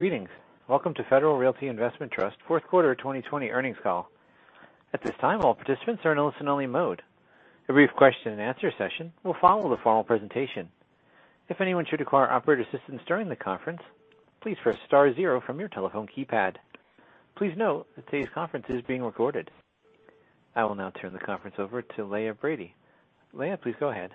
Greetings. Welcome to Federal Realty Investment Trust Fourth Quarter 2020 Earnings Call. At this time, all participants are in a listen-only mode. A brief question and answer session will follow the formal presentation. If anyone should require operator assistance during the conference, please first press star zero from your telephone keypad. Please note that today's conference is being recorded. I will now turn the conference over to Leah Brady. Leah, please go ahead.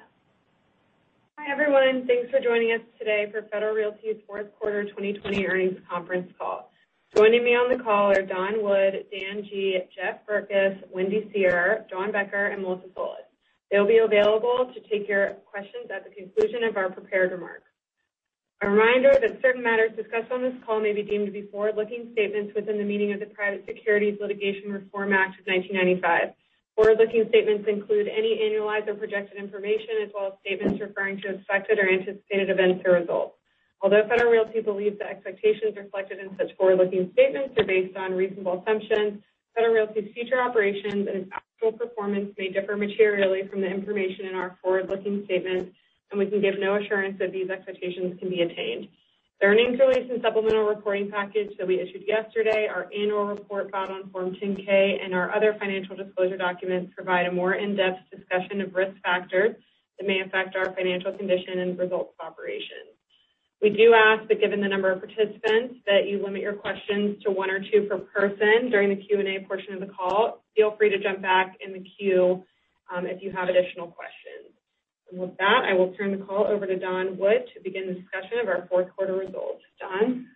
Hi, everyone. Thanks for joining us today for Federal Realty's fourth quarter 2020 earnings conference call. Joining me on the call are Don Wood, Dan G., Jeff Berkes, Wendy Seher, Dawn Becker, and Melissa Solis. They'll be available to take your questions at the conclusion of our prepared remarks. A reminder that certain matters discussed on this call may be deemed to be forward-looking statements within the meaning of the Private Securities Litigation Reform Act of 1995. Forward-looking statements include any annualized or projected information, as well as statements referring to expected or anticipated events or results. Although Federal Realty believes the expectations reflected in such forward-looking statements are based on reasonable assumptions, Federal Realty's future operations and its actual performance may differ materially from the information in our forward-looking statements, and we can give no assurance that these expectations can be attained. The earnings release and supplemental reporting package that we issued yesterday, our annual report filed on Form 10-K, and our other financial disclosure documents provide a more in-depth discussion of risk factors that may affect our financial condition and results of operations. We do ask that given the number of participants, that you limit your questions to one or two per person during the Q&A portion of the call. Feel free to jump back in the queue if you have additional questions. With that, I will turn the call over to Don Wood to begin the discussion of our fourth quarter results. Don?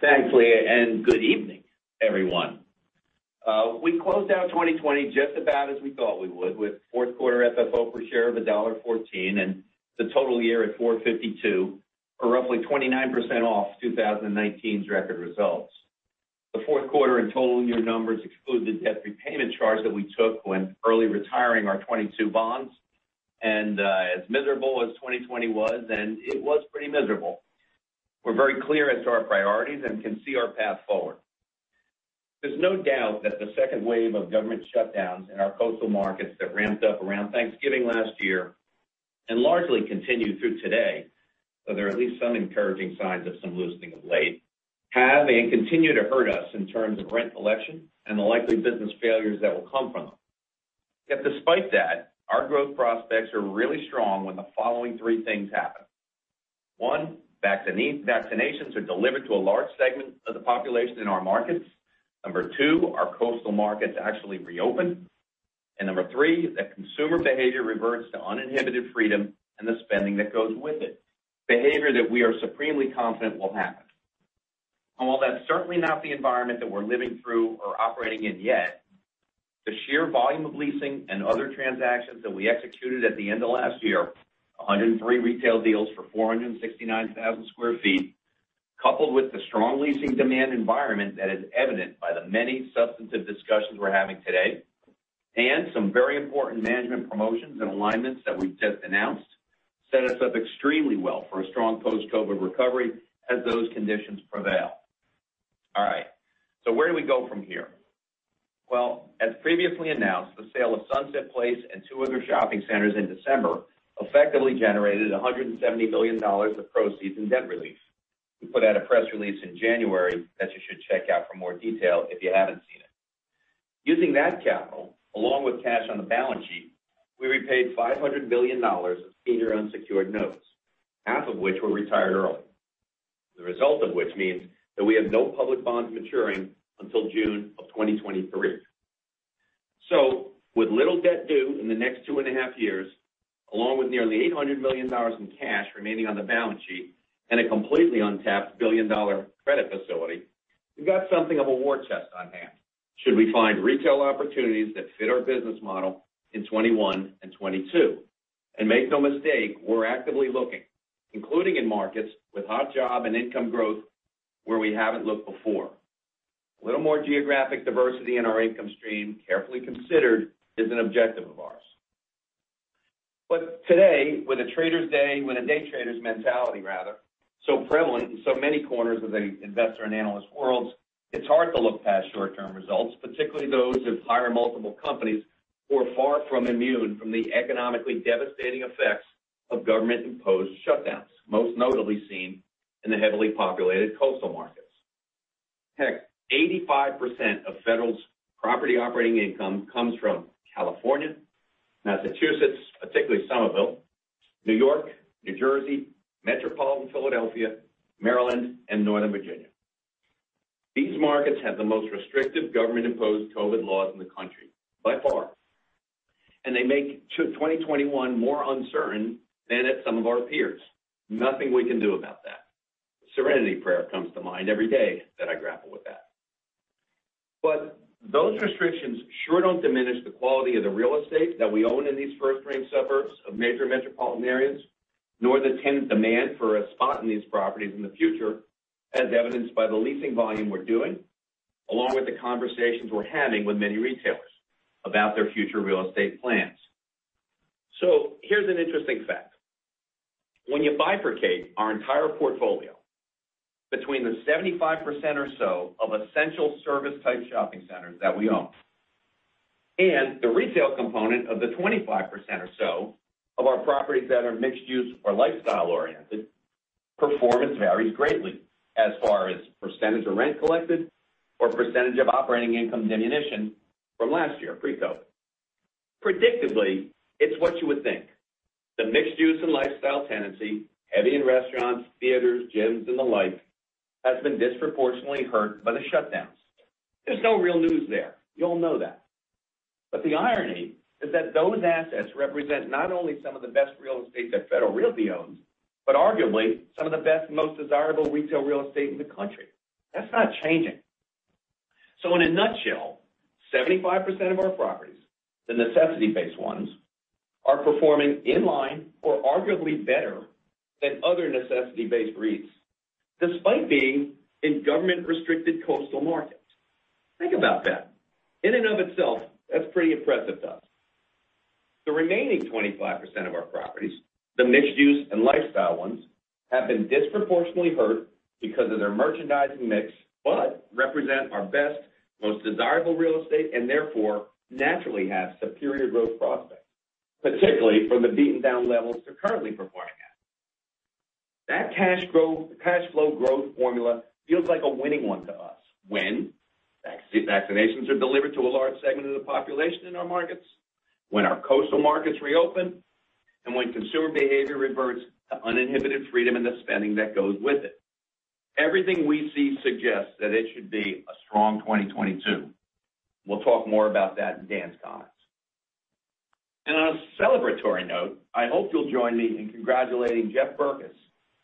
Thanks, Leah, good evening, everyone. We closed out 2020 just about as we thought we would, with fourth quarter FFO per share of $1.14 and the total year at $4.52, or roughly 29% off 2019's record results. The fourth quarter and total year numbers exclude the debt repayment charge that we took when early retiring our 22 bonds. As miserable as 2020 was, and it was pretty miserable, we're very clear as to our priorities and can see our path forward. There's no doubt that the second wave of government shutdowns in our coastal markets that ramped up around Thanksgiving last year, and largely continue through today, though there are at least some encouraging signs of some loosening of late, have and continue to hurt us in terms of rent collection and the likely business failures that will come from them. Despite that, our growth prospects are really strong when the following three things happen. One, vaccinations are delivered to a large segment of the population in our markets. Number two, our coastal markets actually reopen. Number three, that consumer behavior reverts to uninhibited freedom and the spending that goes with it. Behavior that we are supremely confident will happen. While that's certainly not the environment that we're living through or operating in yet, the sheer volume of leasing and other transactions that we executed at the end of last year, 103 retail deals for 469,000 sq ft, coupled with the strong leasing demand environment that is evident by the many substantive discussions we're having today, and some very important management promotions and alignments that we just announced, set us up extremely well for a strong post-COVID recovery as those conditions prevail. All right. Where do we go from here? Well, as previously announced, the sale of Sunset Place and two other shopping centers in December effectively generated $170 million of proceeds and debt relief. We put out a press release in January that you should check out for more detail if you haven't seen it. Using that capital, along with cash on the balance sheet, we repaid $500 million of senior unsecured notes, half of which were retired early. The result of which means that we have no public bonds maturing until June of 2023. With little debt due in the next two and a half years, along with nearly $800 million in cash remaining on the balance sheet, and a completely untapped billion-dollar credit facility, we've got something of a war chest on hand should we find retail opportunities that fit our business model in 2021 and 2022. Make no mistake, we're actively looking, including in markets with hot job and income growth where we haven't looked before. A little more geographic diversity in our income stream, carefully considered, is an objective of ours. Today, with a day trader's mentality so prevalent in so many corners of the investor and analyst worlds, it's hard to look past short-term results, particularly those of higher multiple companies who are far from immune from the economically devastating effects of government-imposed shutdowns, most notably seen in the heavily populated coastal markets. Heck, 85% of Federal's property operating income comes from California, Massachusetts, particularly Somerville, New York, New Jersey, metropolitan Philadelphia, Maryland, and Northern Virginia. These markets have the most restrictive government-imposed COVID laws in the country by far, and they make 2021 more uncertain than at some of our peers. Nothing we can do about that. The Serenity Prayer comes to mind every day that I grapple with that. Those restrictions sure don't diminish the quality of the real estate that we own in these first-rate suburbs of major metropolitan areas, nor the tenant demand for a spot in these properties in the future, as evidenced by the leasing volume we're doing, along with the conversations we're having with many retailers about their future real estate plans. Here's an interesting fact. When you bifurcate our entire portfolio between the 75% or so of essential service type shopping centers that we own and the retail component of the 25% or so of our properties that are mixed use or lifestyle oriented, performance varies greatly as far as percentage of rent collected or percentage of operating income diminution from last year, pre-COVID. Predictably, it's what you would think. The mixed use and lifestyle tenancy, heavy in restaurants, theaters, gyms, and the like, has been disproportionately hurt by the shutdowns. There's no real news there, you all know that but the irony is that those assets represent not only some of the best real estate that Federal Realty owns, but arguably some of the best, most desirable retail real estate in the country. That's not changing. In a nutshell, 75% of our properties, the necessity-based ones, are performing in line or arguably better than other necessity-based REITs, despite being in government-restricted coastal markets. Think about that. In and of itself, that's pretty impressive to us. The remaining 25% of our properties, the mixed use and lifestyle ones, have been disproportionately hurt because of their merchandising mix, but represent our best, most desirable real estate and therefore naturally have superior growth prospects, particularly from the beaten down levels they're currently performing at. That cash flow growth formula feels like a winning one to us when vaccinations are delivered to a large segment of the population in our markets, when our coastal markets reopen, and when consumer behavior reverts to uninhibited freedom and the spending that goes with it. Everything we see suggests that it should be a strong 2022. We'll talk more about that in Dan's comments. On a celebratory note, I hope you'll join me in congratulating Jeff Berkes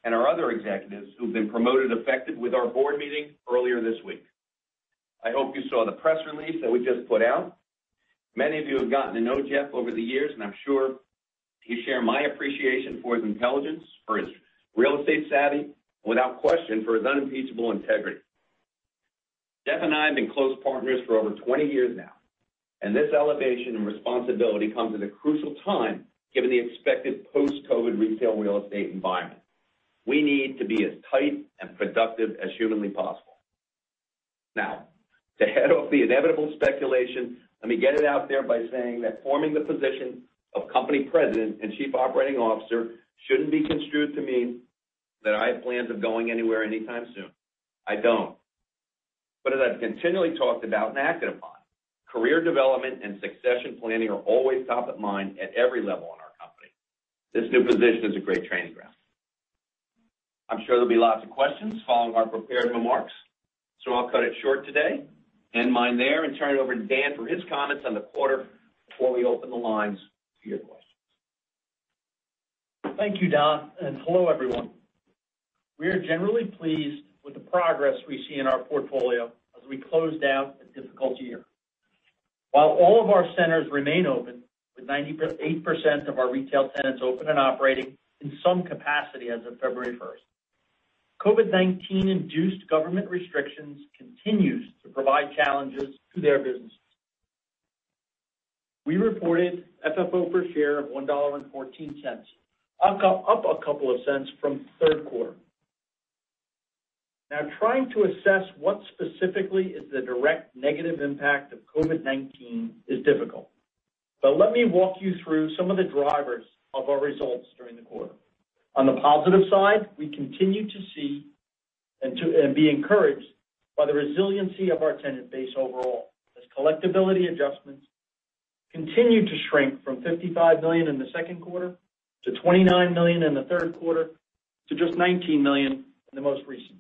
and our other executives who've been promoted effective with our board meeting earlier this week. I hope you saw the press release that we just put out. Many of you have gotten to know Jeff over the years, I'm sure you share my appreciation for his intelligence, for his real estate savvy, without question for his unimpeachable integrity. Jeff and I have been close partners for over 20 years now. This elevation in responsibility comes at a crucial time, given the expected post-COVID retail real estate environment. We need to be as tight and productive as humanly possible. Now, to head off the inevitable speculation, let me get it out there by saying that forming the position of company President and Chief Operating Officer shouldn't be construed to mean that I have plans of going anywhere anytime soon. I don't. As I've continually talked about and acted upon, career development and succession planning are always top of mind at every level in our company. This new position is a great training ground. I'm sure there'll be lots of questions following our prepared remarks, I'll cut it short today. End mine there, turn it over to Dan for his comments on the quarter before we open the lines to your questions. Thank you, Don, and hello, everyone. We are generally pleased with the progress we see in our portfolio as we close down a difficult year. While all of our centers remain open, with 98% of our retail tenants open and operating in some capacity as of February 1st, COVID-19 induced government restrictions continues to provide challenges to their businesses. We reported FFO per share of $1.14, up a couple of cents from third quarter. Trying to assess what specifically is the direct negative impact of COVID-19 is difficult. Let me walk you through some of the drivers of our results during the quarter. On the positive side, we continue to see and be encouraged by the resiliency of our tenant base overall, as collectibility adjustments continue to shrink from $55 million in the second quarter, to $29 million in the third quarter, to just $19 million in the most recent.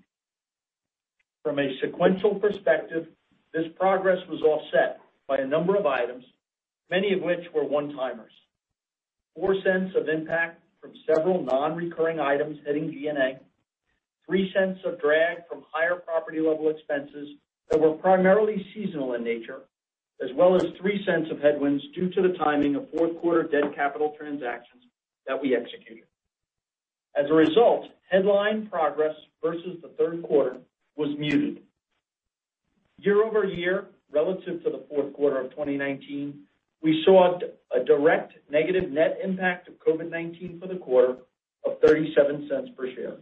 From a sequential perspective, this progress was offset by a number of items, many of which were one-timers. $0.04 of impact from several non-recurring items hitting G&A, $0.03 of drag from higher property level expenses that were primarily seasonal in nature, as well as $0.03 of headwinds due to the timing of fourth quarter debt capital transactions that we executed. As a result, headline progress versus the third quarter was muted. Year-over-year, relative to the fourth quarter of 2019, we saw a direct negative net impact of COVID-19 for the quarter of $0.37 per share.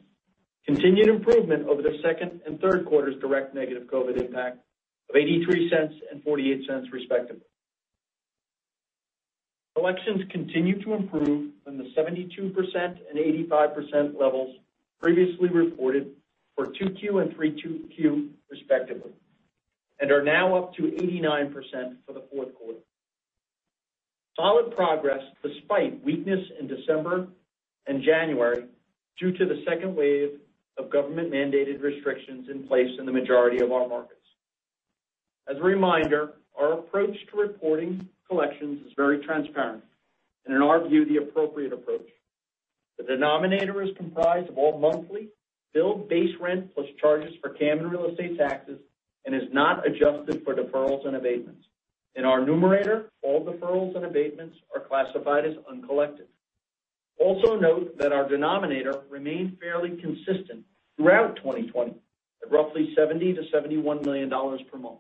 Continued improvement over the second and third quarter's direct negative COVID impact of $0.83 and $0.48 respectively. Collections continue to improve from the 72% and 85% levels previously reported for 2Q and 3Q respectively, and are now up to 89% for the fourth quarter. Solid progress despite weakness in December and January due to the second wave of government-mandated restrictions in place in the majority of our markets. As a reminder, our approach to reporting collections is very transparent and in our view, the appropriate approach. The denominator is comprised of all monthly billed base rent plus charges for CAM and real estate taxes and is not adjusted for deferrals and abatements. In our numerator, all deferrals and abatements are classified as uncollected. Also note that our denominator remained fairly consistent throughout 2020 at roughly $70 million-$71 million per month.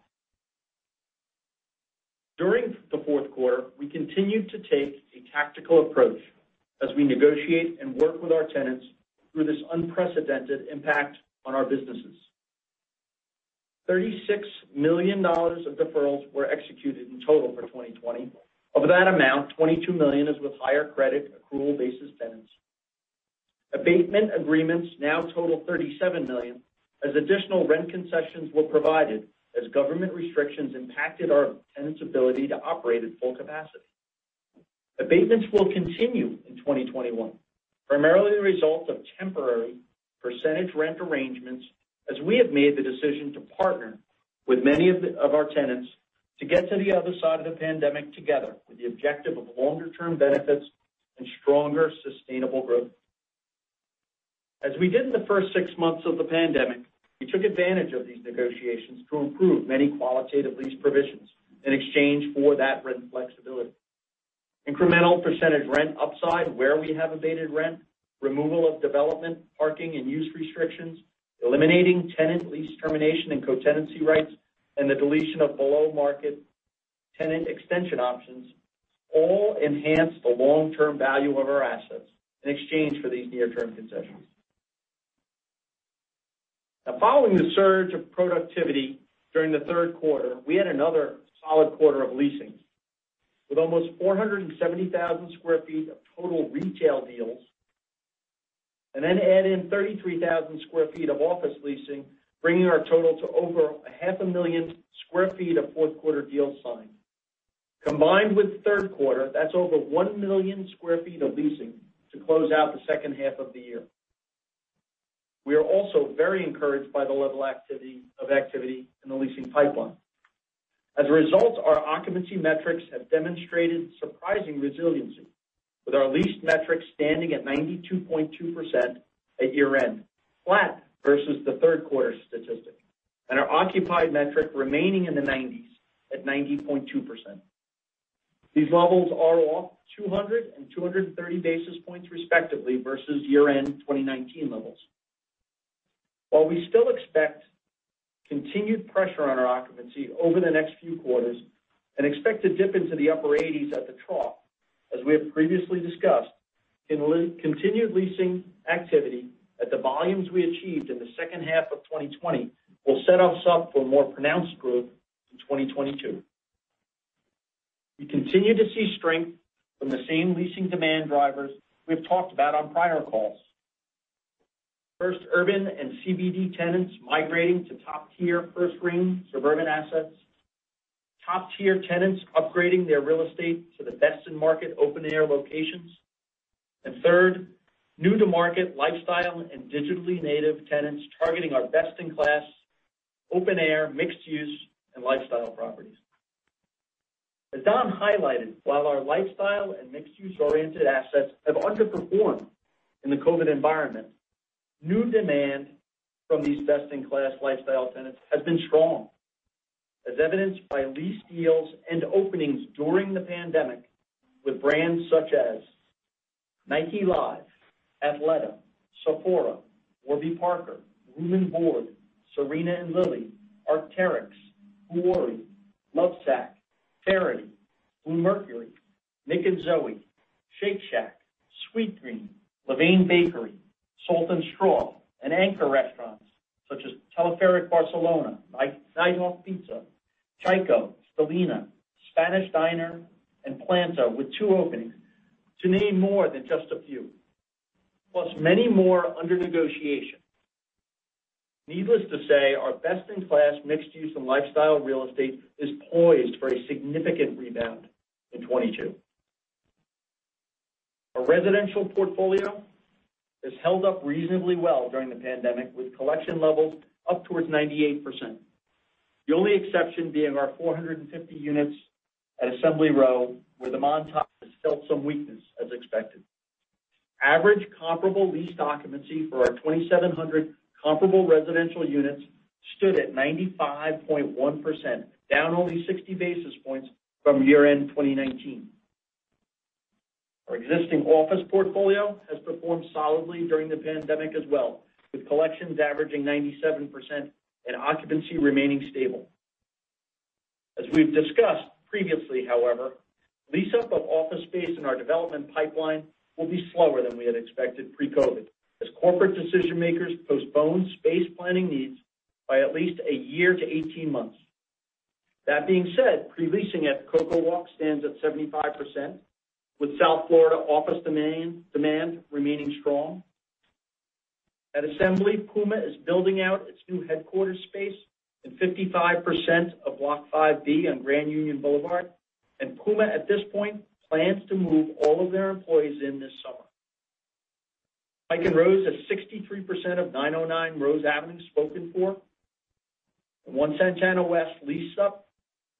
During the fourth quarter, we continued to take a tactical approach as we negotiate and work with our tenants through this unprecedented impact on our businesses. $36 million of deferrals were executed in total for 2020. Of that amount, $22 million is with higher credit accrual basis tenants. Abatement agreements now total $37 million, as additional rent concessions were provided as government restrictions impacted our tenants' ability to operate at full capacity. Abatements will continue in 2021, primarily the result of temporary percentage rent arrangements as we have made the decision to partner with many of our tenants to get to the other side of the pandemic together with the objective of longer-term benefits and stronger, sustainable growth. As we did in the first six months of the pandemic, we took advantage of these negotiations to improve many qualitative lease provisions in exchange for that rent flexibility. Incremental percentage rent upside where we have abated rent, removal of development, parking, and use restrictions, eliminating tenant lease termination and co-tenancy rights, and the deletion of below-market tenant extension options all enhance the long-term value of our assets in exchange for these near-term concessions. Following the surge of productivity during the third quarter, we had another solid quarter of leasing. With almost 470,000 square feet of total retail deals, add in 33,000 square feet of office leasing, bringing our total to over a half a million square feet of fourth quarter deals signed. Combined with the third quarter, that's over 1 million sq ftof leasing to close out the second half of the year. We are also very encouraged by the level of activity in the leasing pipeline. As a result, our occupancy metrics have demonstrated surprising resiliency, with our leased metrics standing at 92.2% at year-end, flat versus the third quarter statistic. Our occupied metric remaining in the 90s at 90.2%. These levels are off 200 and 230 basis points respectively versus year-end 2019 levels. While we still expect continued pressure on our occupancy over the next few quarters and expect to dip into the upper 80s at the trough, as we have previously discussed, continued leasing activity at the volumes we achieved in the second half of 2020 will set us up for more pronounced growth in 2022. We continue to see strength from the same leasing demand drivers we've talked about on prior calls. First, urban and CBD tenants migrating to top-tier first ring suburban assets. Top-tier tenants upgrading their real estate to the best in market open-air locations. Third, new to market lifestyle and digitally native tenants targeting our best-in-class open-air mixed-use and lifestyle properties. As Don highlighted, while our lifestyle and mixed-use oriented assets have underperformed in the COVID environment, new demand from these best-in-class lifestyle tenants has been strong, as evidenced by lease deals and openings during the pandemic with brands such as Nike Live, Athleta, Sephora, Warby Parker, Room & Board, Serena & Lily, Arc'teryx, Vuori, Lovesac, Farrow, Bluemercury, NIC+ZOE, Shake Shack, Sweetgreen, Levain Bakery, Salt & Straw, and anchor restaurants such as Telefèric Barcelona, Nighthawk Pizza, CHIKO, Stellina, Spanish Diner, and Planta with two openings to name more than just a few. Plus many more under negotiation. Needless to say, our best-in-class mixed-use and lifestyle real estate is poised for a significant rebound in 2022. Our residential portfolio has held up reasonably well during the pandemic with collection levels up towards 98%. The only exception being our 450 units at Assembly Row, where the Montage has felt some weakness as expected. Average comparable lease occupancy for our 2,700 comparable residential units stood at 95.1%, down only 60 basis points from year-end 2019. Our existing office portfolio has performed solidly during the pandemic as well, with collections averaging 97% and occupancy remaining stable. As we've discussed previously, however, lease-up of office space in our development pipeline will be slower than we had expected pre-Covid, as corporate decision makers postpone space planning needs by at least a year to 18 months. That being said, pre-leasing at CocoWalk stands at 75%, with South Florida office demand remaining strong. At Assembly, Puma is building out its new headquarters space in 55% of Block 5B on Grand Union Boulevard. Puma, at this point, plans to move all of their employees in this summer. Pike & Rose has 63% of 909 Rose Avenue spoken for. The One Santana West lease-up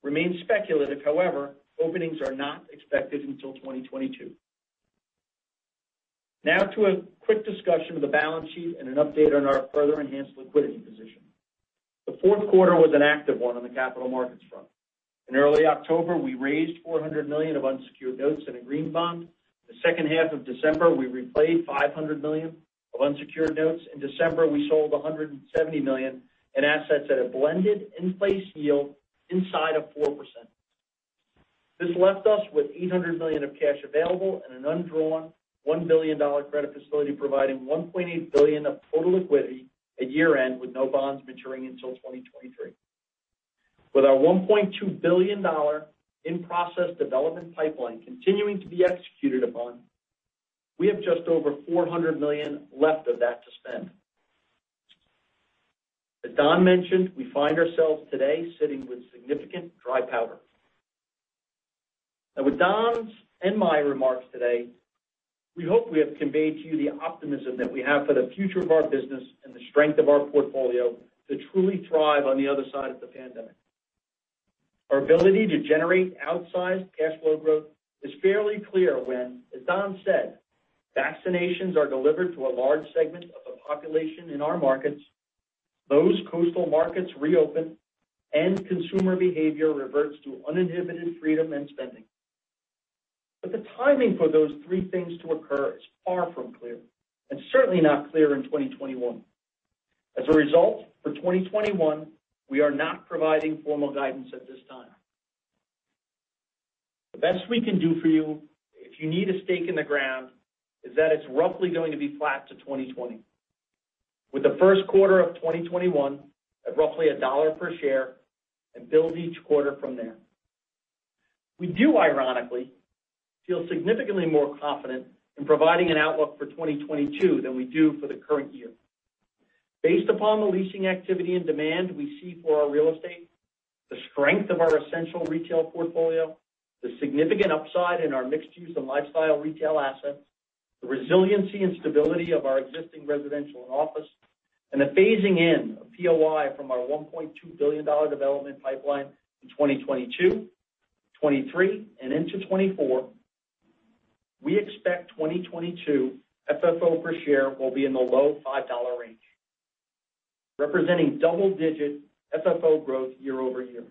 remains speculative, however, openings are not expected until 2022. To a quick discussion of the balance sheet and an update on our further enhanced liquidity position. The fourth quarter was an active one on the capital markets front. Early October, we raised $400 million of unsecured notes in a green bond. Second half of December, we replayed $500 million of unsecured notes. December, we sold $170 million in assets at a blended in-place yield inside of 4%. This left us with $800 million of cash available and an undrawn $1 billion credit facility providing $1.8 billion of total liquidity at year-end with no bonds maturing until 2023. With our $1.2 billion in-process development pipeline continuing to be executed upon, we have just over $400 million left of that to spend. As Don mentioned, we find ourselves today sitting with significant dry powder. Now with Don's and my remarks today, we hope we have conveyed to you the optimism that we have for the future of our business and the strength of our portfolio to truly thrive on the other side of the pandemic. Our ability to generate outsized cash flow growth is fairly clear when, as Don said, vaccinations are delivered to a large segment of the population in our markets, those coastal markets reopen, and consumer behavior reverts to uninhibited freedom and spending. But the timing for those three things to occur is far from clear, and certainly not clear in 2021. As a result, for 2021, we are not providing formal guidance at this time. The best we can do for you, if you need a stake in the ground, is that it's roughly going to be flat to 2020. With the first quarter of 2021 at roughly a dollar per share and build each quarter from there. We do ironically feel significantly more confident in providing an outlook for 2022 than we do for the current year. Based upon the leasing activity and demand we see for our real estate, the strength of our essential retail portfolio, the significant upside in our mixed use and lifestyle retail assets, the resiliency and stability of our existing residential and office, and the phasing in of POI from our $1.2 billion development pipeline in 2022, 2023, and into 2024, we expect 2022 FFO per share will be in the low $5 range, representing double-digit FFO growth year-over-year.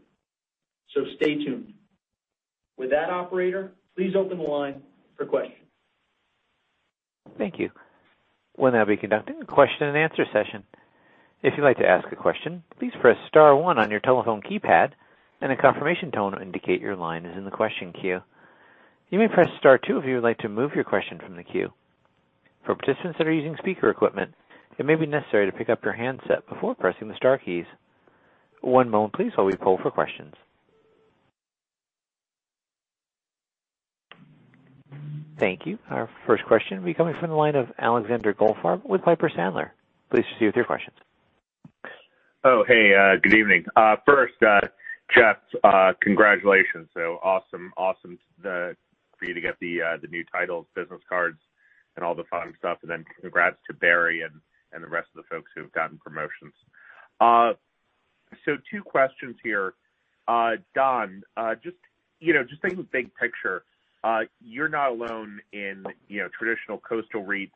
Stay tuned. With that, operator, please open the line for questions. Thank you. We'll now be conducting a question and answer session. If you'd like to ask a question, please press star one on your telephone keypad, and a confirmation tone will indicate your line is in the question queue. You may press star two if you would like to move your question from the queue. For participants that are using speaker equipment, it may be necessary to pick up your handset before pressing the star keys. One moment please, while we poll for questions. Thank you. Our first question will be coming from the line of Alexander Goldfarb with Piper Sandler. Please proceed with your questions. Oh, hey, good evening. First, Jeff, congratulations. Awesome for you to get the new titles, business cards, and all the fun stuff. Then congrats to Barry and the rest of the folks who've gotten promotions. Two questions here. Don, just thinking big picture, you're not alone in traditional coastal REITs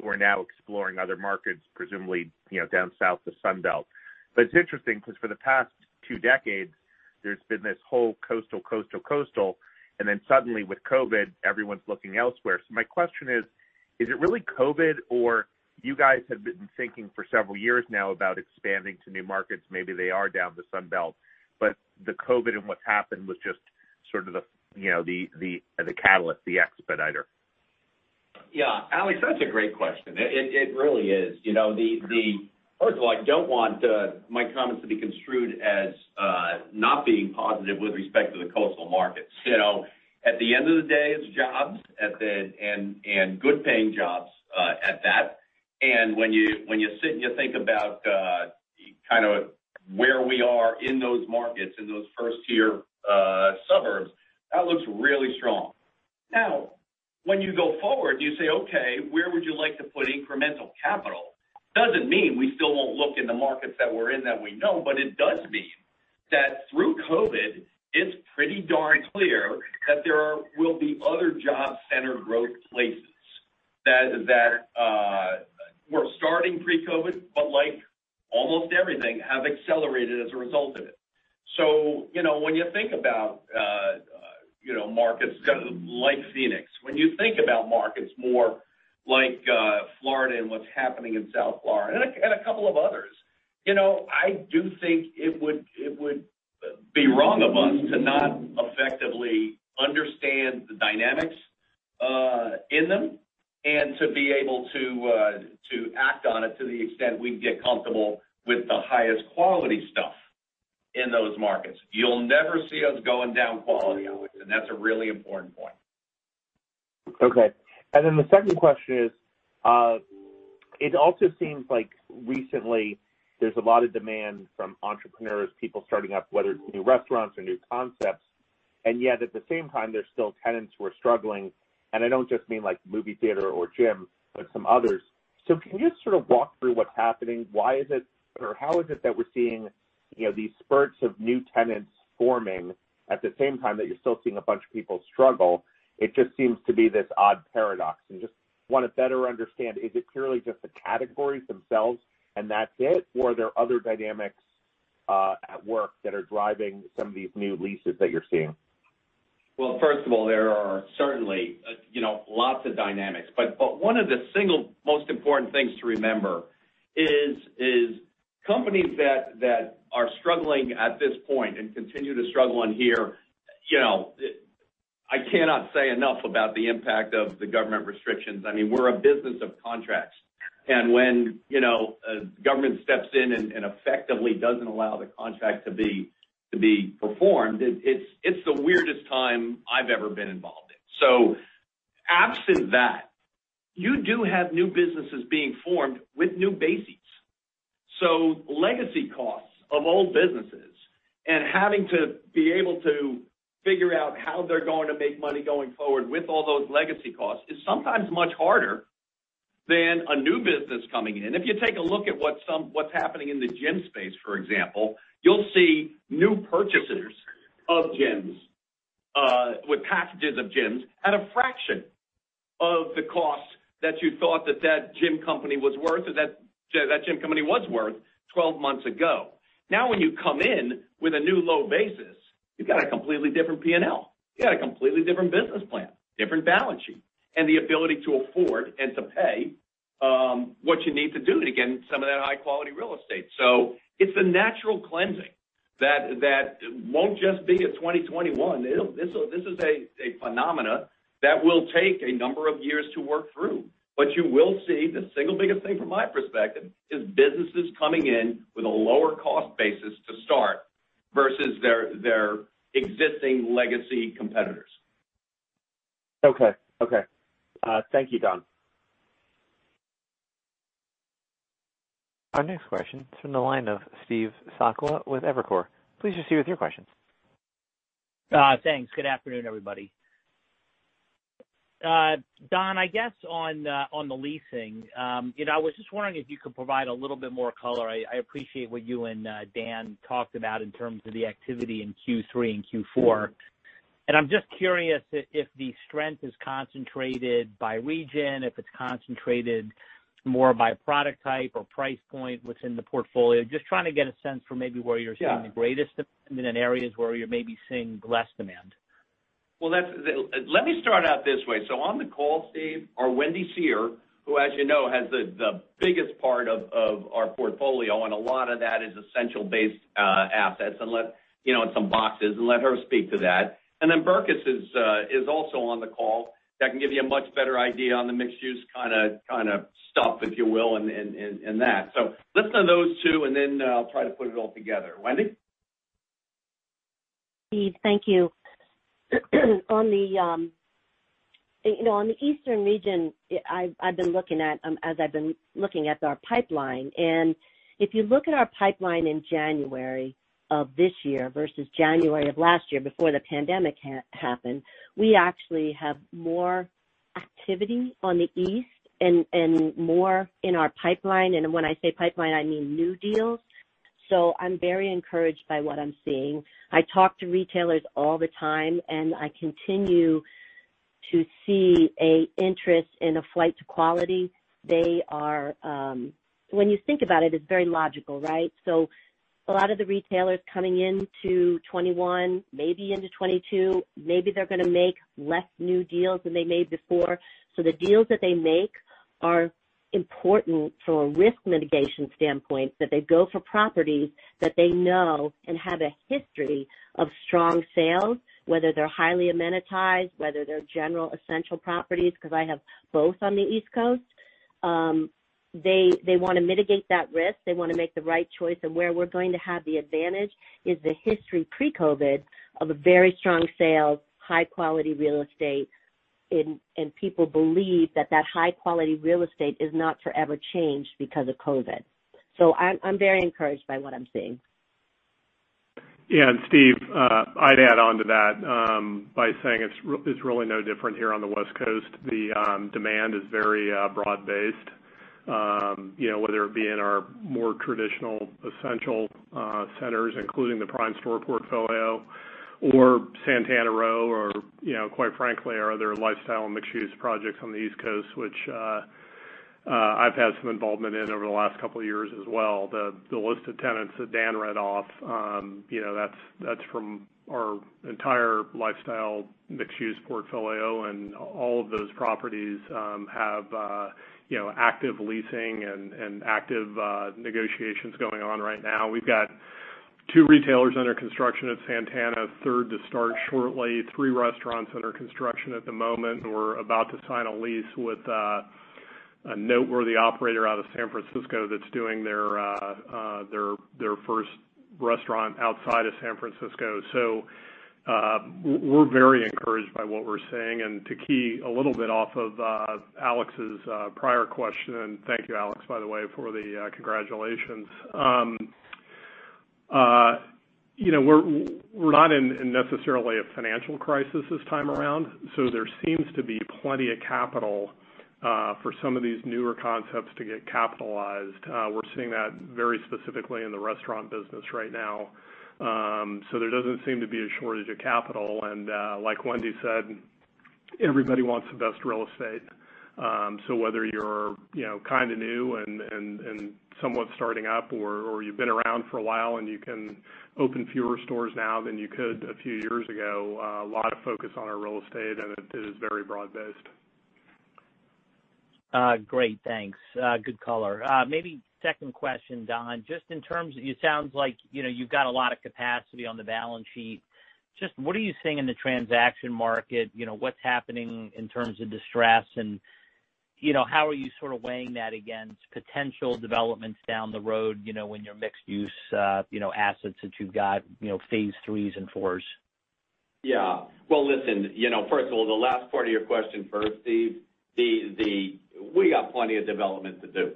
who are now exploring other markets, presumably down south, the Sun Belt. It's interesting because for the past two decades, there's been this whole coastal. Suddenly with COVID, everyone's looking elsewhere. My question is it really COVID, or you guys have been thinking for several years now about expanding to new markets, maybe they are down the Sun Belt, but the COVID and what's happened was just sort of the catalyst, the expediter? Yeah. Alex, that's a great question, and it really is. First of all, I don't want my comments to be construed as not being positive with respect to the coastal markets. At the end of the day, it's jobs, good paying jobs at that. When you sit and you think about where we are in those markets, in those first-tier suburbs, that looks really strong. When you go forward, you say, okay, where would you like to put incremental capital? Doesn't mean we still won't look in the markets that we're in that we know, it does mean that through COVID, it's pretty darn clear that there will be other job-centered growth places that were starting pre-COVID, like almost everything, have accelerated as a result of it. When you think about markets like Phoenix, when you think about markets more like Florida and what's happening in South Florida and a couple of others, I do think it would be wrong of us to not effectively understand the dynamics in them and to be able to act on it to the extent we'd get comfortable with the highest quality stuff in those markets. You'll never see us going down quality, Alex, and that's a really important point. Okay. The second question is, it also seems like recently, there's a lot of demand from entrepreneurs, people starting up, whether it's new restaurants or new concepts, and yet at the same time, there's still tenants who are struggling. I don't just mean like movie theater or gym, but some others. Can you just sort of walk through what's happening? Why is it or how is it that we're seeing these spurts of new tenants forming at the same time that you're still seeing a bunch of people struggle? It just seems to be this odd paradox, and just want to better understand, is it purely just the categories themselves and that's it, or are there other dynamics at work that are driving some of these new leases that you're seeing? Well, first of all, there are certainly lots of dynamics. One of the single most important things to remember is companies that are struggling at this point and continue to struggle on here. I cannot say enough about the impact of the government restrictions. We're a business of contracts, and when government steps in and effectively doesn't allow the contract to be performed, it's the weirdest time I've ever been involved in. Absent that, you do have new businesses being formed with new bases. Legacy costs of old businesses and having to be able to figure out how they're going to make money going forward with all those legacy costs is sometimes much harder than a new business coming in. If you take a look at what's happening in the gym space, for example, you'll see new purchasers of gyms, with packages of gyms at a fraction of the cost that you thought that that gym company was worth or that gym company was worth 12 months ago. Now, when you come in with a new low basis, you've got a completely different P&L. You got a completely different business plan, different balance sheet, and the ability to afford and to pay what you need to do to get some of that high-quality real estate. It's a natural cleansing that won't just be a 2021. This is a phenomena that will take a number of years to work through. You will see the single biggest thing from my perspective is businesses coming in with a lower cost basis to start versus their existing legacy competitors. Okay. Thank you, Don. Our next question is from the line of Steve Sakwa with Evercore. Please proceed with your questions. Thanks. Good afternoon, everybody. Don, I guess on the leasing, I was just wondering if you could provide a little bit more color. I appreciate what you and Dan talked about in terms of the activity in Q3 and Q4. I'm just curious if the strength is concentrated by region, if it's concentrated more by product type or price point within the portfolio. I'm just trying to get a sense for maybe where you're seeing. Yeah The greatest demand and areas where you're maybe seeing less demand. Let me start out this way. On the call, Steve, are Wendy Seher, who as you know has the biggest part of our portfolio, and a lot of that is essential-based assets and some boxes, and let her speak to that. Berkes is also on the call. That can give you a much better idea on the mixed use kind of stuff, if you will, and that. Listen to those two, and then I'll try to put it all together. Wendy? Steve, thank you. On the Eastern region, I've been looking at our pipeline. If you look at our pipeline in January of this year versus January of last year before the pandemic happened, we actually have more activity on the East and more in our pipeline. When I say pipeline, I mean new deals. I'm very encouraged by what I'm seeing. I talk to retailers all the time. I continue to see a interest in a flight to quality. When you think about it's very logical, right? A lot of the retailers coming into 2021, maybe into 2022, maybe they're going to make less new deals than they made before. The deals that they make are important from a risk mitigation standpoint, that they go for properties that they know and have a history of strong sales, whether they're highly amenitized, whether they're general essential properties, because I have both on the East Coast. They want to mitigate that risk. They want to make the right choice. Where we're going to have the advantage is the history pre-COVID of a very strong sales, high-quality real estate, and people believe that high-quality real estate is not forever changed because of COVID. I'm very encouraged by what I'm seeing. Yeah, and Steve, I'd add onto that by saying it's really no different here on the West Coast. The demand is very broad-based, whether it be in our more traditional essential centers, including the prime store portfolio or Santana Row, or quite frankly, our other lifestyle and mixed-use projects on the East Coast, which I've had some involvement in over the last couple of years as well. The list of tenants that Dan read off, that's from our entire lifestyle mixed-use portfolio, and all of those properties have active leasing and active negotiations going on right now. We've got two retailers under construction at Santana, third to start shortly, three restaurants under construction at the moment. We're about to sign a lease with a noteworthy operator out of San Francisco that's doing their first restaurant outside of San Francisco. We're very encouraged by what we're seeing. To key a little bit off of Alex's prior question, and thank you, Alex, by the way, for the congratulations. We're not in necessarily a financial crisis this time around, there seems to be plenty of capital for some of these newer concepts to get capitalized. We're seeing that very specifically in the restaurant business right now. There doesn't seem to be a shortage of capital. Like Wendy said, everybody wants the best real estate. Whether you're kind of new and somewhat starting up, or you've been around for a while and you can open fewer stores now than you could a few years ago, a lot of focus on our real estate, and it is very broad based. Great, thanks. Good color. Maybe second question, Don, it sounds like you've got a lot of capacity on the balance sheet. What are you seeing in the transaction market? What's happening in terms of distress, and how are you sort of weighing that against potential developments down the road, in your mixed use assets that you've got phase 3s and 4s? Well, listen, first of all, the last part of your question first, Steve, we got plenty of development to do.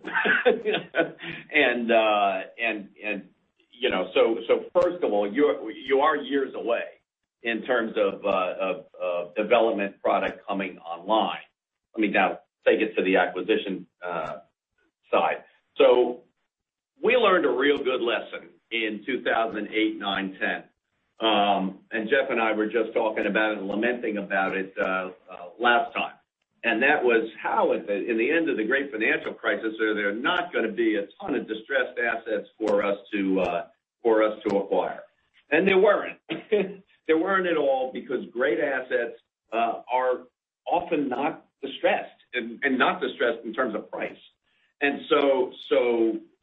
First of all, you are years away in terms of development product coming online. Let me now take it to the acquisition side. We learned a real good lesson in 2008, 2009, 2010. Jeff and I were just talking about it and lamenting about it last time. That was how in the end of the great financial crisis, there are not going to be a ton of distressed assets for us to acquire. There weren't. There weren't at all because great assets are often not distressed, and not distressed in terms of price.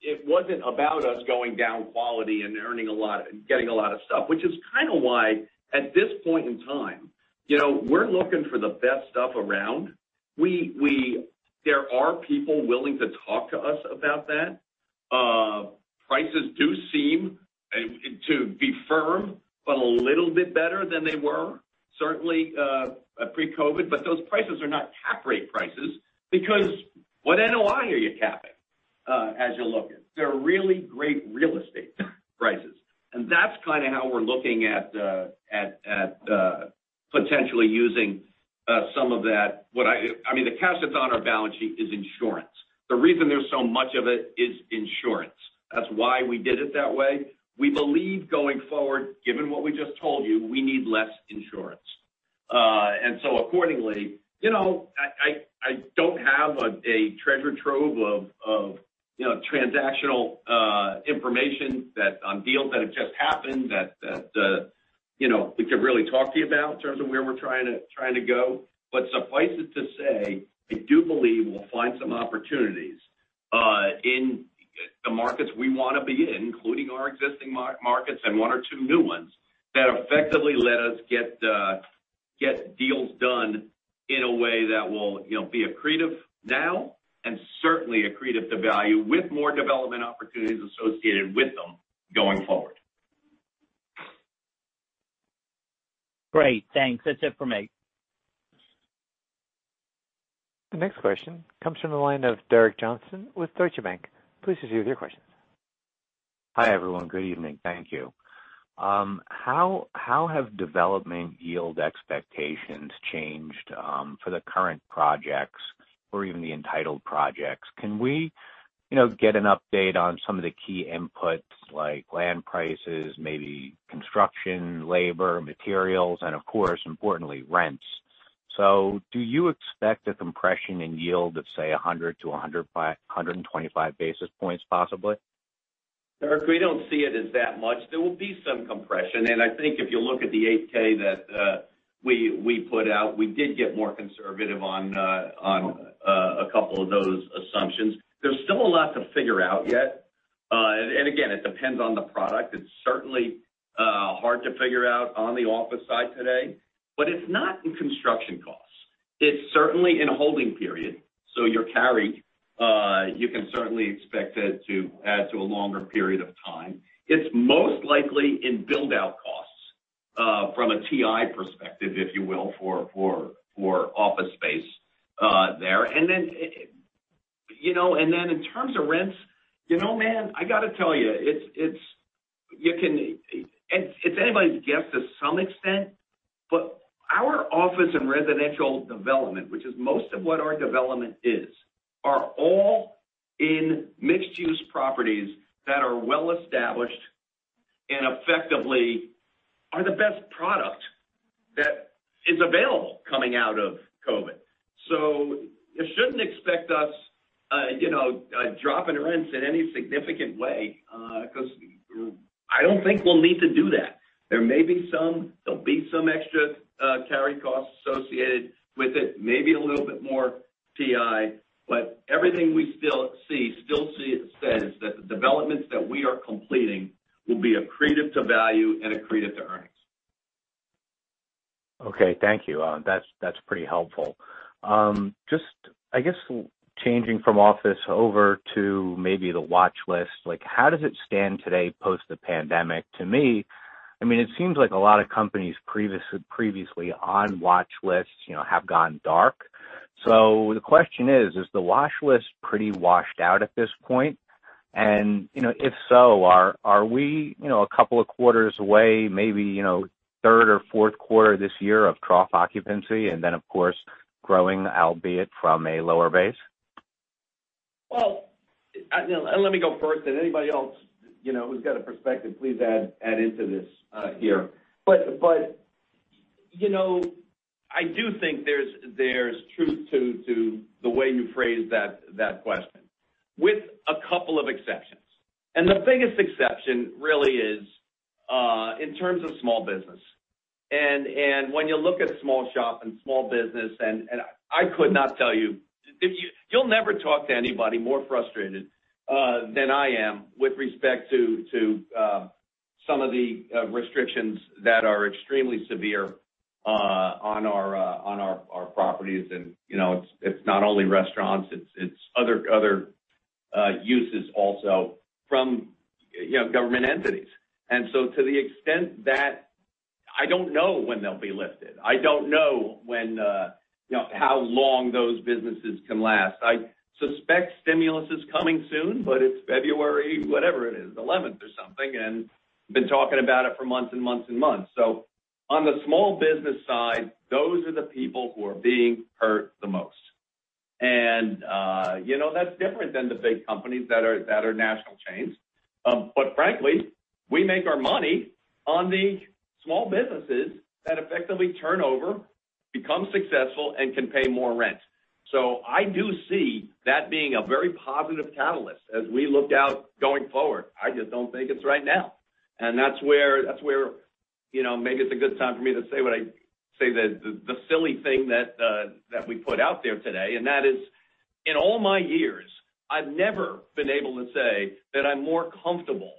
It wasn't about us going down quality and getting a lot of stuff, which is kind of why at this point in time, we're looking for the best stuff around. There are people willing to talk to us about that. Prices do seem to be firm, but a little bit better than they were, certainly pre-COVID. Those prices are not cap rate prices because what NOI are you capping as you're looking? They're really great real estate prices. That's kind of how we're looking at potentially using some of that. The cash that's on our balance sheet is insurance. The reason there's so much of it is insurance. That's why we did it that way. We believe going forward, given what we just told you, we need less insurance. Accordingly, I don't have a treasure trove of transactional information on deals that have just happened that we could really talk to you about in terms of where we're trying to go. Suffice it to say, I do believe we'll find some opportunities in the markets we want to be in, including our existing markets and one or two new ones that effectively let us get deals done in a way that will be accretive now and certainly accretive to value with more development opportunities associated with them going forward. Great, thanks. That's it for me. The next question comes from the line of Derek Johnson with Deutsche Bank. Please proceed with your question. Hi, everyone, good evening. Thank you. How have development yield expectations changed for the current projects or even the entitled projects? Can we get an update on some of the key inputs like land prices, maybe construction, labor, materials, and of course, importantly, rents? Do you expect a compression in yield of, say, 100-125 basis points possibly? Derek, we don't see it as that much. There will be some compression, and I think if you look at the 8-K that we put out, we did get more conservative on a couple of those assumptions. There's still a lot to figure out yet. Again, it depends on the product. It's certainly hard to figure out on the office side today, but it's not in construction costs. It's certainly in a holding period. Your carry, you can certainly expect it to add to a longer period of time. It's most likely in build-out costs from a TI perspective, if you will, for office space there. In terms of rents, man, I got to tell you, it's anybody's guess to some extent, but our office and residential development, which is most of what our development is, are all in mixed use properties that are well established and effectively are the best product that is available coming out of COVID. You shouldn't expect us dropping rents in any significant way because I don't think we'll need to do that. There may be some. There'll be some extra carry costs associated with it, maybe a little bit more TI. Everything we still see says that the developments that we are completing will be accretive to value and accretive to earnings. Okay, thank you. That's pretty helpful. I guess changing from office over to maybe the watch list. How does it stand today post the pandemic? To me, it seems like a lot of companies previously on watch lists have gone dark. The question is the watch list pretty washed out at this point? If so, are we a couple of quarters away, maybe third or fourth quarter this year of trough occupancy and then, of course, growing, albeit from a lower base? Well, let me go first, then anybody else who's got a perspective, please add into this here. I do think there's truth to the way you phrased that question with a couple of exceptions. The biggest exception really is in terms of small business. When you look at small shop and small business, you'll never talk to anybody more frustrated than I am with respect to some of the restrictions that are extremely severe on our properties. It's not only restaurants, it's other uses also from government entities. To the extent that I don't know when they'll be lifted, I don't know how long those businesses can last. I suspect stimulus is coming soon, but it's February, whatever it is, the 11th or something, and been talking about it for months and months and months. On the small business side, those are the people who are being hurt the most. That's different than the big companies that are national chains. Frankly, we make our money on the small businesses that effectively turn over, become successful, and can pay more rent. I do see that being a very positive catalyst as we look out going forward. I just don't think it's right now, and that's where maybe it's a good time for me to say the silly thing that we put out there today, and that is, in all my years, I've never been able to say that I'm more comfortable